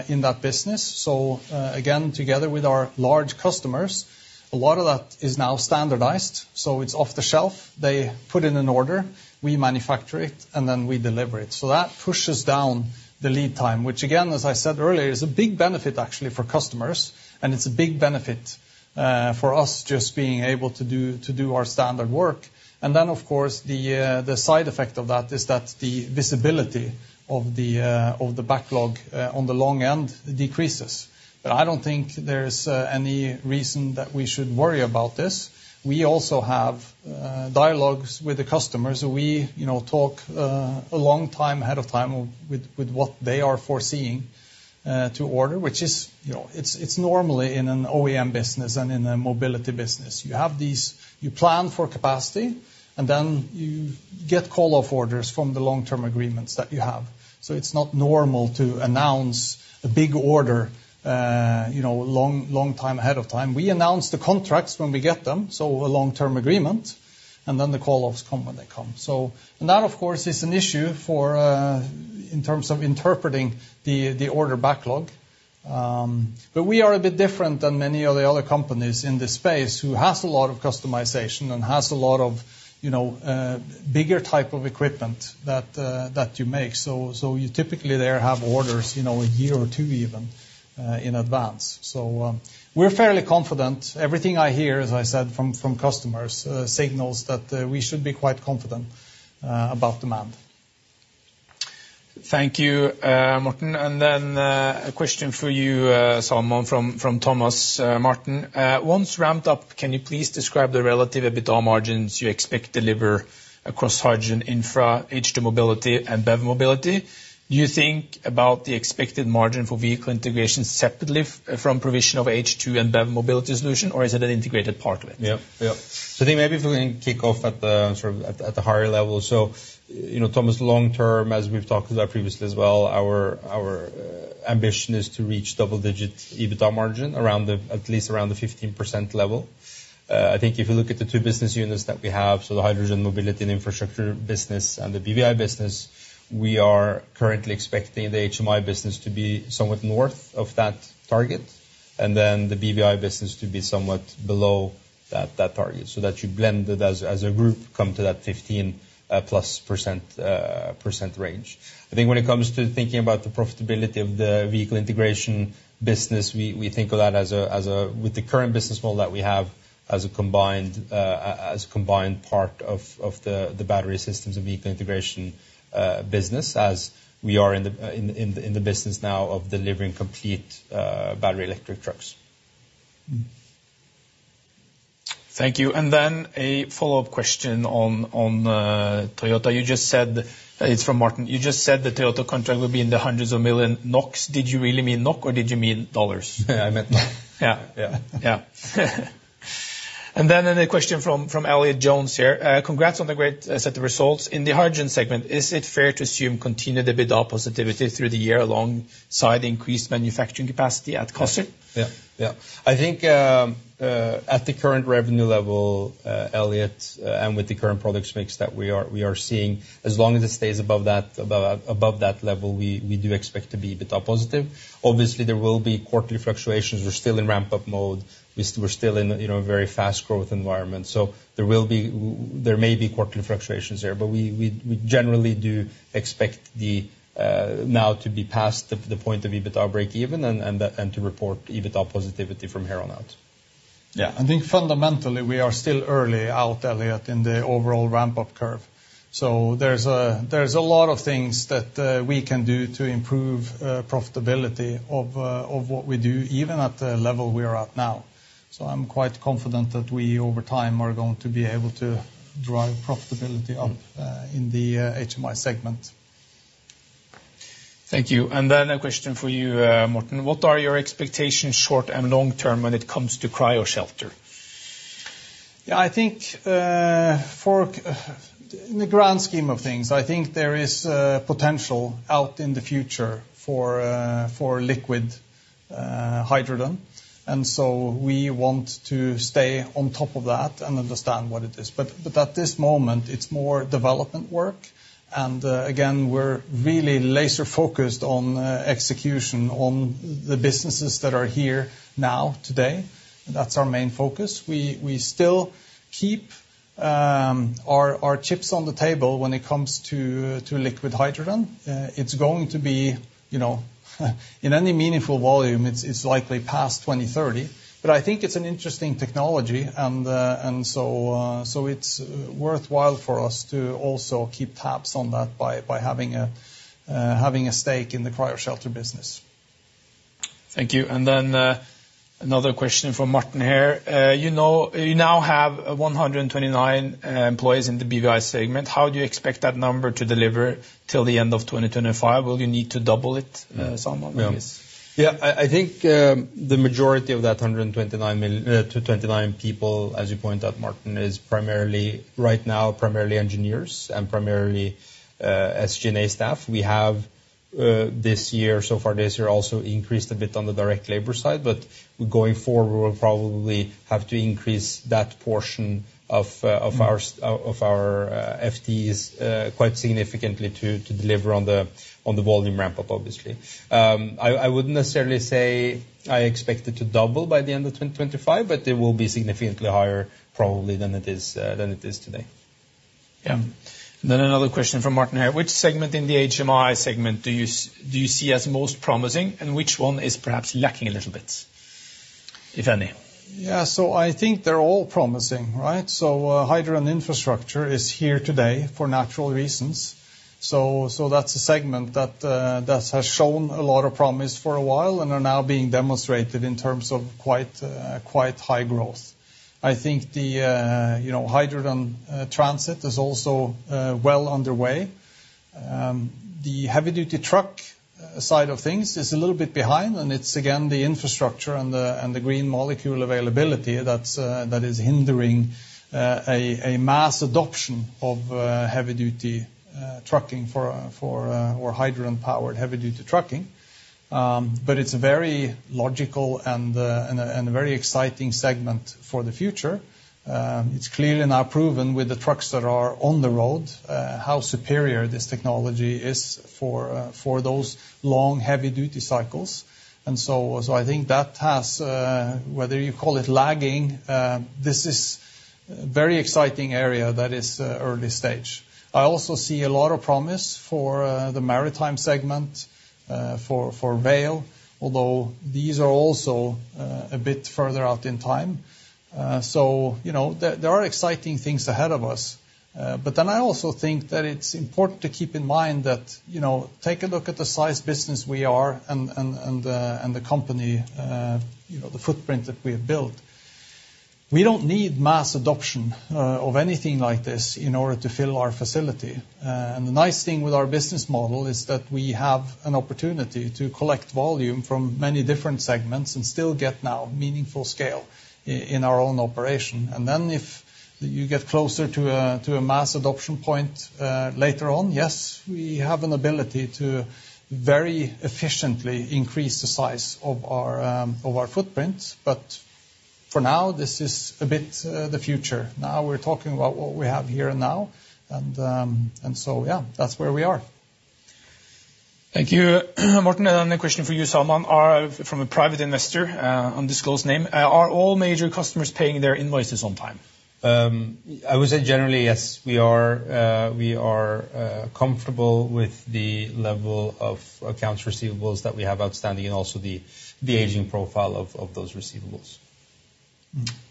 in that business. So, again, together with our large customers, a lot of that is now standardized, so it's off the shelf. They put in an order, we manufacture it, and then we deliver it. So that pushes down the lead time, which, again, as I said earlier, is a big benefit actually for customers, and it's a big benefit for us just being able to do, to do our standard work. And then, of course, the side effect of that is that the visibility of the backlog on the long end decreases. But I don't think there's any reason that we should worry about this. We also have dialogues with the customers. We, you know, talk a long time ahead of time with what they are foreseeing to order, which is, you know, it's normally in an OEM business and in a mobility business. You have these... You plan for capacity, and then you get call-off orders from the long-term agreements that you have. So it's not normal to announce a big order, you know, long, long time ahead of time. We announce the contracts when we get them, so a long-term agreement, and then the call-offs come when they come. So that, of course, is an issue for in terms of interpreting the order backlog. But we are a bit different than many of the other companies in this space, who has a lot of customization and has a lot of, you know, bigger type of equipment that that you make. So, so you typically there have orders, you know, a year or two even in advance. So, we're fairly confident. Everything I hear, as I said, from, from customers signals that we should be quite confident about demand. Thank you, Morten. And then, a question for you, Salman, from Thomas Martin. Once ramped up, can you please describe the relative EBITDA margins you expect to deliver across hydrogen infra, H2 mobility, and BEV mobility? Do you think about the expected margin for vehicle integration separately from provision of H2 and BEV mobility solution, or is it an integrated part of it? Yeah, yeah. So I think maybe if we can kick off at the higher level. So, you know, Thomas, long term, as we've talked about previously as well, our ambition is to reach double-digit EBITDA margin around the, at least around the 15% level. I think if you look at the two business units that we have, so the hydrogen mobility and infrastructure business and the BVI business, we are currently expecting the HMI business to be somewhat north of that target, and then the BVI business to be somewhat below that target. So that you blend it as a group, come to that 15%+ range. I think when it comes to thinking about the profitability of the vehicle integration business, we think of that as a—with the current business model that we have—as a combined part of the battery systems and vehicle integration business, as we are in the business now of delivering complete battery electric trucks. Thank you. And then a follow-up question on Toyota. You just said, it's from Martin. You just said the Toyota contract would be in the hundreds of million NOKs. Did you really mean NOK, or did you mean dollars? I meant NOK. Yeah. Yeah. Yeah. And then another question from Elliott Jones here. Congrats on the great set of results. In the hydrogen segment, is it fair to assume continued EBITDA positivity through the year alongside increased manufacturing capacity at cost? Yeah, yeah. I think at the current revenue level, Elliot, and with the current products mix that we are seeing, as long as it stays above that level, we do expect to be EBITDA positive. Obviously, there will be quarterly fluctuations. We're still in ramp-up mode. We're still in, you know, a very fast growth environment. So there may be quarterly fluctuations there, but we generally do expect now to be past the point of EBITDA breakeven and to report EBITDA positivity from here on out. Yeah, I think fundamentally, we are still early out, Elliot, in the overall ramp-up curve. So there's a lot of things that we can do to improve profitability of what we do, even at the level we are at now. So I'm quite confident that we, over time, are going to be able to drive profitability up in the HMI segment. Thank you. And then a question for you, Morten: What are your expectations, short and long term, when it comes to Cryoshelter? Yeah, I think, In the grand scheme of things, I think there is, potential out in the future for, for liquid, hydrogen. And so we want to stay on top of that and understand what it is. But at this moment, it's more development work. And, again, we're really laser-focused on, execution on the businesses that are here now, today. That's our main focus. We still keep, our chips on the table when it comes to, liquid hydrogen. It's going to be, you know, in any meaningful volume, it's likely past 2030. But I think it's an interesting technology, and, and so, so it's worthwhile for us to also keep tabs on that by, having a stake in the Cryoshelter business. Thank you. And then, another question from Martin here. You know, you now have 129 employees in the BVI segment. How do you expect that number to deliver till the end of 2025? Will you need to double it, Salman, I guess? Yeah. I think the majority of that 229 people, as you point out, Martin, is primarily, right now, primarily engineers and primarily SG&A staff. We have this year, so far this year, also increased a bit on the direct labor side, but going forward, we'll probably have to increase that portion of our-of our FTEs quite significantly to deliver on the volume ramp-up, obviously. I wouldn't necessarily say I expect it to double by the end of 2025, but it will be significantly higher probably than it is today. Yeah. Then another question from Martin here: Which segment in the HMI segment do you see as most promising, and which one is perhaps lacking a little bit, if any? Yeah, so I think they're all promising, right? So, hydrogen infrastructure is here today for natural reasons. So, so that's a segment that, that has shown a lot of promise for a while and are now being demonstrated in terms of quite, quite high growth. I think the, you know, hydrogen, transit is also, well underway. The heavy-duty truck, side of things is a little bit behind, and it's, again, the infrastructure and the, and the green molecule availability that's, that is hindering, a, a mass adoption of, heavy-duty, trucking for, for, or hydrogen-powered heavy-duty trucking. But it's a very logical and, and a, and a very exciting segment for the future. It's clearly now proven with the trucks that are on the road, how superior this technology is for, for those long, heavy-duty cycles. And so, so I think that has, whether you call it lagging, this is very exciting area that is, early stage. I also see a lot of promise for, the maritime segment, for, for Vale, although these are also, a bit further out in time. So, you know, there, there are exciting things ahead of us. But then I also think that it's important to keep in mind that, you know, take a look at the size business we are and, and, and, and the company, you know, the footprint that we have built. We don't need mass adoption, of anything like this in order to fill our facility. The nice thing with our business model is that we have an opportunity to collect volume from many different segments and still get now meaningful scale in our own operation. And then if you get closer to a mass adoption point, later on, yes, we have an ability to very efficiently increase the size of our footprint. But for now, this is a bit the future. Now we're talking about what we have here and now, and so, yeah, that's where we are. Thank you, Morten. And then a question for you, Salman, from a private investor, undisclosed name: Are all major customers paying their invoices on time? I would say generally, yes, we are comfortable with the level of accounts receivables that we have outstanding and also the aging profile of those receivables.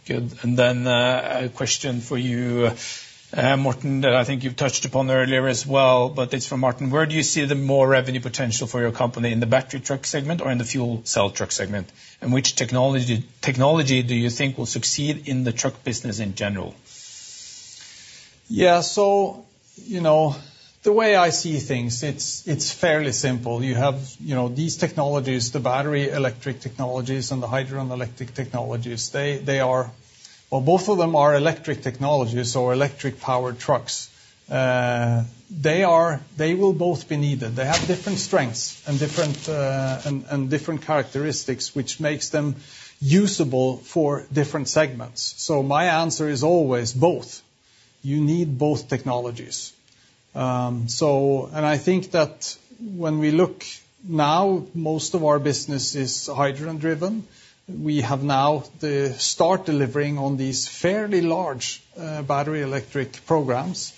Good. And then, a question for you, Morten, that I think you've touched upon earlier as well, but it's from Martin: Where do you see the more revenue potential for your company, in the battery truck segment or in the fuel cell truck segment? And which technology, technology do you think will succeed in the truck business in general? Yeah, so, you know, the way I see things, it's fairly simple. You have, you know, these technologies, the battery electric technologies, and the hydrogen electric technologies, they are— well, both of them are electric technologies or electric-powered trucks. They will both be needed. They have different strengths and different characteristics, which makes them usable for different segments. So my answer is always both. You need both technologies. So, and I think that when we look now, most of our business is hydrogen-driven. We have now the start delivering on these fairly large, battery electric programs,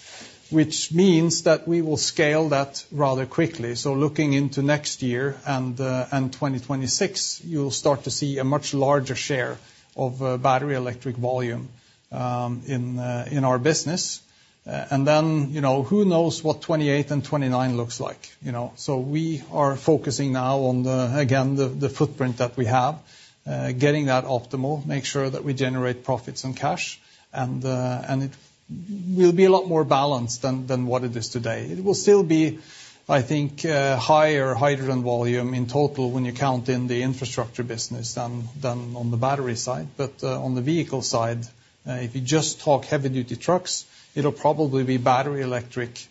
which means that we will scale that rather quickly. So looking into next year and, and 2026, you'll start to see a much larger share of, battery electric volume, in, in our business. And then, you know, who knows what 2028 and 2029 looks like, you know? So we are focusing now on the, again, the footprint that we have, getting that optimal, make sure that we generate profits and cash, and it will be a lot more balanced than what it is today. It will still be, I think, higher hydrogen volume in total when you count in the infrastructure business than on the battery side. But on the vehicle side, if you just talk heavy-duty trucks, it'll probably be battery electric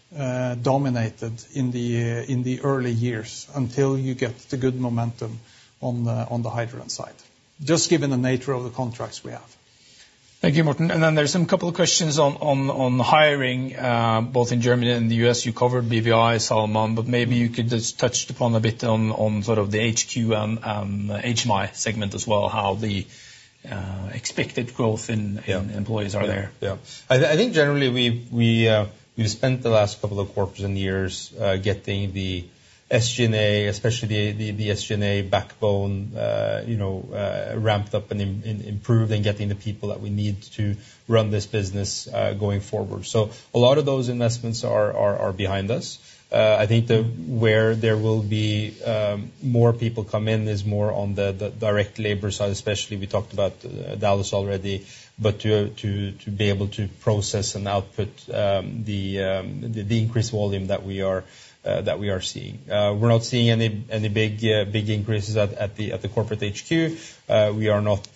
dominated in the early years until you get the good momentum on the hydrogen side, just given the nature of the contracts we have. Thank you, Morten. And then there's some couple of questions on the hiring, both in Germany and the U.S. You covered BVI, Salman, but maybe you could just touch upon a bit on sort of the HQ, HMI segment as well, how the expected growth in- Yeah. -employees are there. Yeah. I think generally, we've spent the last couple of quarters and years getting the SG&A, especially the SG&A backbone, you know, ramped up and improved and getting the people that we need to run this business going forward. So a lot of those investments are behind us. I think where there will be more people come in is more on the direct labor side, especially, we talked about Dallas already, but to be able to process and output the increased volume that we are seeing. We're not seeing any big increases at the corporate HQ. We are not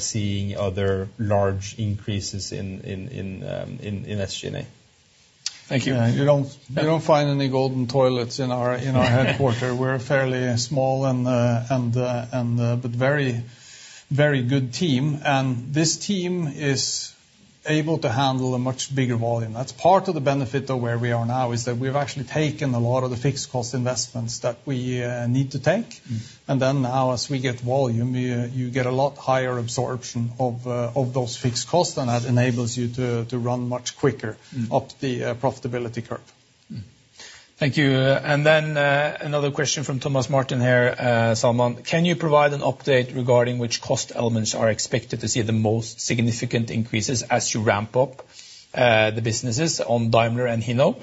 seeing other large increases in SG&A. Thank you. Yeah, you don't, you don't find any golden toilets in our, in our headquarters. We're fairly small and, but very, very good team, and this team is able to handle a much bigger volume. That's part of the benefit of where we are now, is that we've actually taken a lot of the fixed cost investments that we need to take. Mm-hmm. And then now, as we get volume, you get a lot higher absorption of those fixed costs, and that enables you to run much quicker up the profitability curve. Mm-hmm. Thank you. And then, another question from Thomas Martin here, Salman: Can you provide an update regarding which cost elements are expected to see the most significant increases as you ramp up the businesses on Daimler and Hino?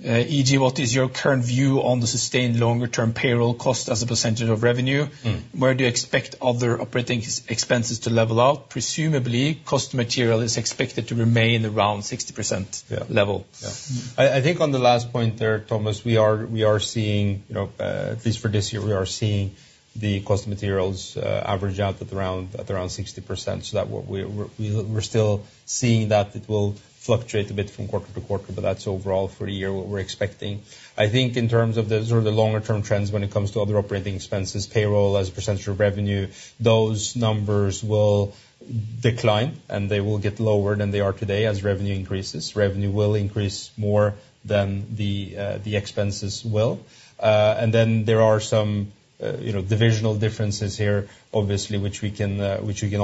E.g., what is your current view on the sustained longer-term payroll cost as a percentage of revenue? Mm-hmm. Where do you expect other operating expenses to level out? Presumably, cost material is expected to remain around 60% level. Yeah. I think on the last point there, Thomas, we are seeing, you know, at least for this year, we are seeing the cost materials average out at around 60%. So that's what we're still seeing, that it will fluctuate a bit from quarter to quarter, but that's overall for a year what we're expecting. I think in terms of the sort of the longer-term trends when it comes to other operating expenses, payroll as a percentage of revenue, those numbers will decline, and they will get lower than they are today as revenue increases. Revenue will increase more than the expenses will. And then there are some, you know, divisional differences here, obviously, which we can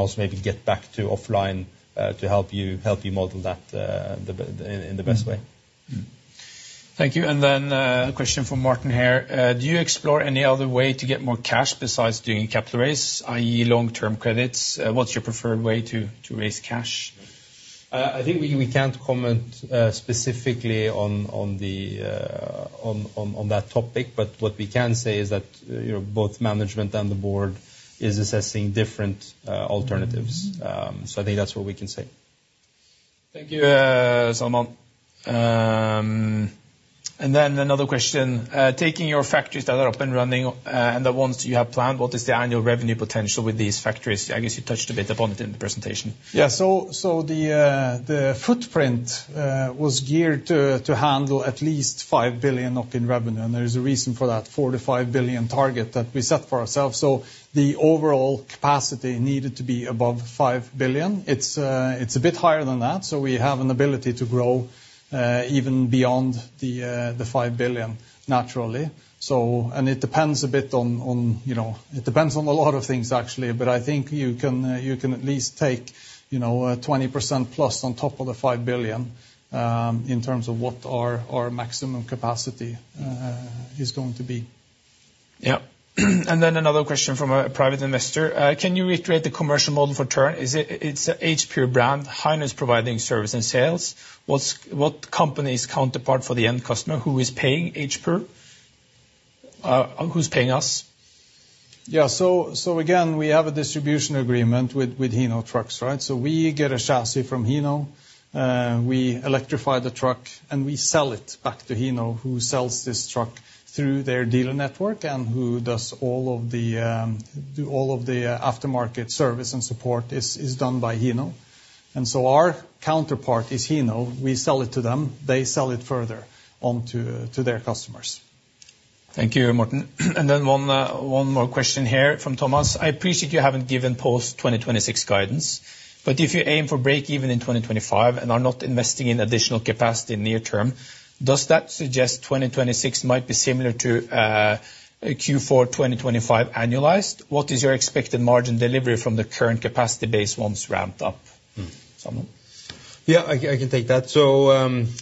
also maybe get back to offline to help you model that in the best way. Mm-hmm. Thank you. And then, a question from Martin here: Do you explore any other way to get more cash besides doing capital raise, i.e., long-term credits? What's your preferred way to, to raise cash? I think we can't comment specifically on that topic, but what we can say is that, you know, both management and the board is assessing different alternatives. So I think that's what we can say. Thank you, Salman. And then another question: taking your factories that are up and running, and the ones you have planned, what is the annual revenue potential with these factories? I guess you touched a bit upon it in the presentation. Yeah, so the footprint was geared to handle at least 5 billion NOK in revenue, and there is a reason for that 4 billion-5 billion target that we set for ourselves. So the overall capacity needed to be above 5 billion. It's a bit higher than that, so we have an ability to grow even beyond the 5 billion, naturally. So... And it depends a bit on, you know, it depends on a lot of things, actually, but I think you can at least take, you know, 20%+ on top of the 5 billion, in terms of what our maximum capacity is going to be. Yeah. And then another question from a private investor: Can you reiterate the commercial model for Tern? Is it- it's a Hexagon Purus brand, Hino's providing service and sales. What company is counterparty for the end customer? Who is paying Hexagon Purus?... Who's paying us? Yeah, so again, we have a distribution agreement with Hino Trucks, right? So we get a chassis from Hino, we electrify the truck, and we sell it back to Hino, who sells this truck through their dealer network, and who does all of the aftermarket service and support is done by Hino. And so our counterpart is Hino. We sell it to them, they sell it further on to their customers. Thank you, Morten. Then one more question here from Thomas: I appreciate you haven't given post-2026 guidance, but if you aim for breakeven in 2025 and are not investing in additional capacity near term, does that suggest 2026 might be similar to Q4 2025 annualized? What is your expected margin delivery from the current capacity base once ramped up? Mm, Salman? Yeah, I can take that. So,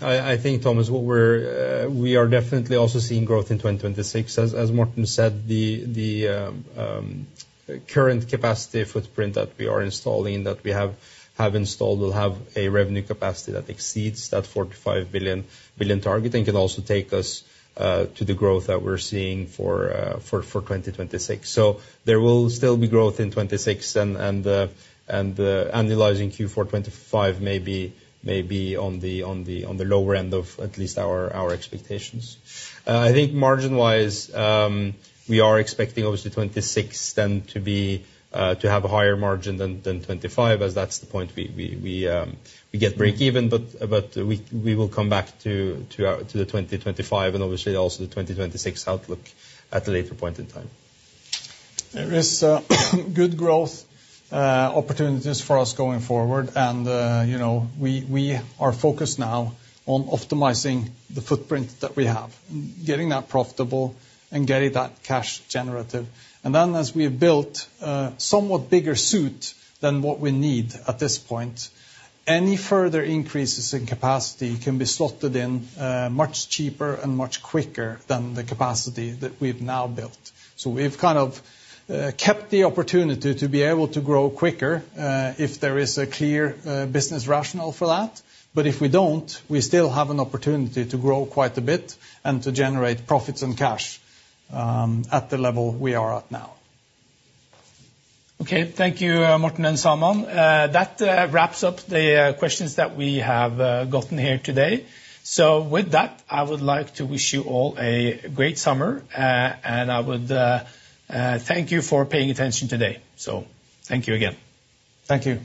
I think, Thomas, what we're, we are definitely also seeing growth in 2026. As Morten said, the current capacity footprint that we are installing, that we have installed, will have a revenue capacity that exceeds that 4 billion-5 billion target, and can also take us to the growth that we're seeing for 2026. So there will still be growth in 2026, and the analyzing Q4 2025 may be on the lower end of at least our expectations. I think margin-wise, we are expecting obviously 2026 then to have a higher margin than 2025, as that's the point we get breakeven. But we will come back to our 2025, and obviously also the 2026 outlook at a later point in time. There is good growth opportunities for us going forward, and you know, we are focused now on optimizing the footprint that we have, getting that profitable, and getting that cash generative. And then, as we have built a somewhat bigger suite than what we need at this point, any further increases in capacity can be slotted in much cheaper and much quicker than the capacity that we've now built. So we've kind of kept the opportunity to be able to grow quicker if there is a clear business rationale for that. But if we don't, we still have an opportunity to grow quite a bit and to generate profits and cash at the level we are at now. Okay. Thank you, Morten and Salman. That wraps up the questions that we have gotten here today. So with that, I would like to wish you all a great summer, and I would thank you for paying attention today. So thank you again. Thank you.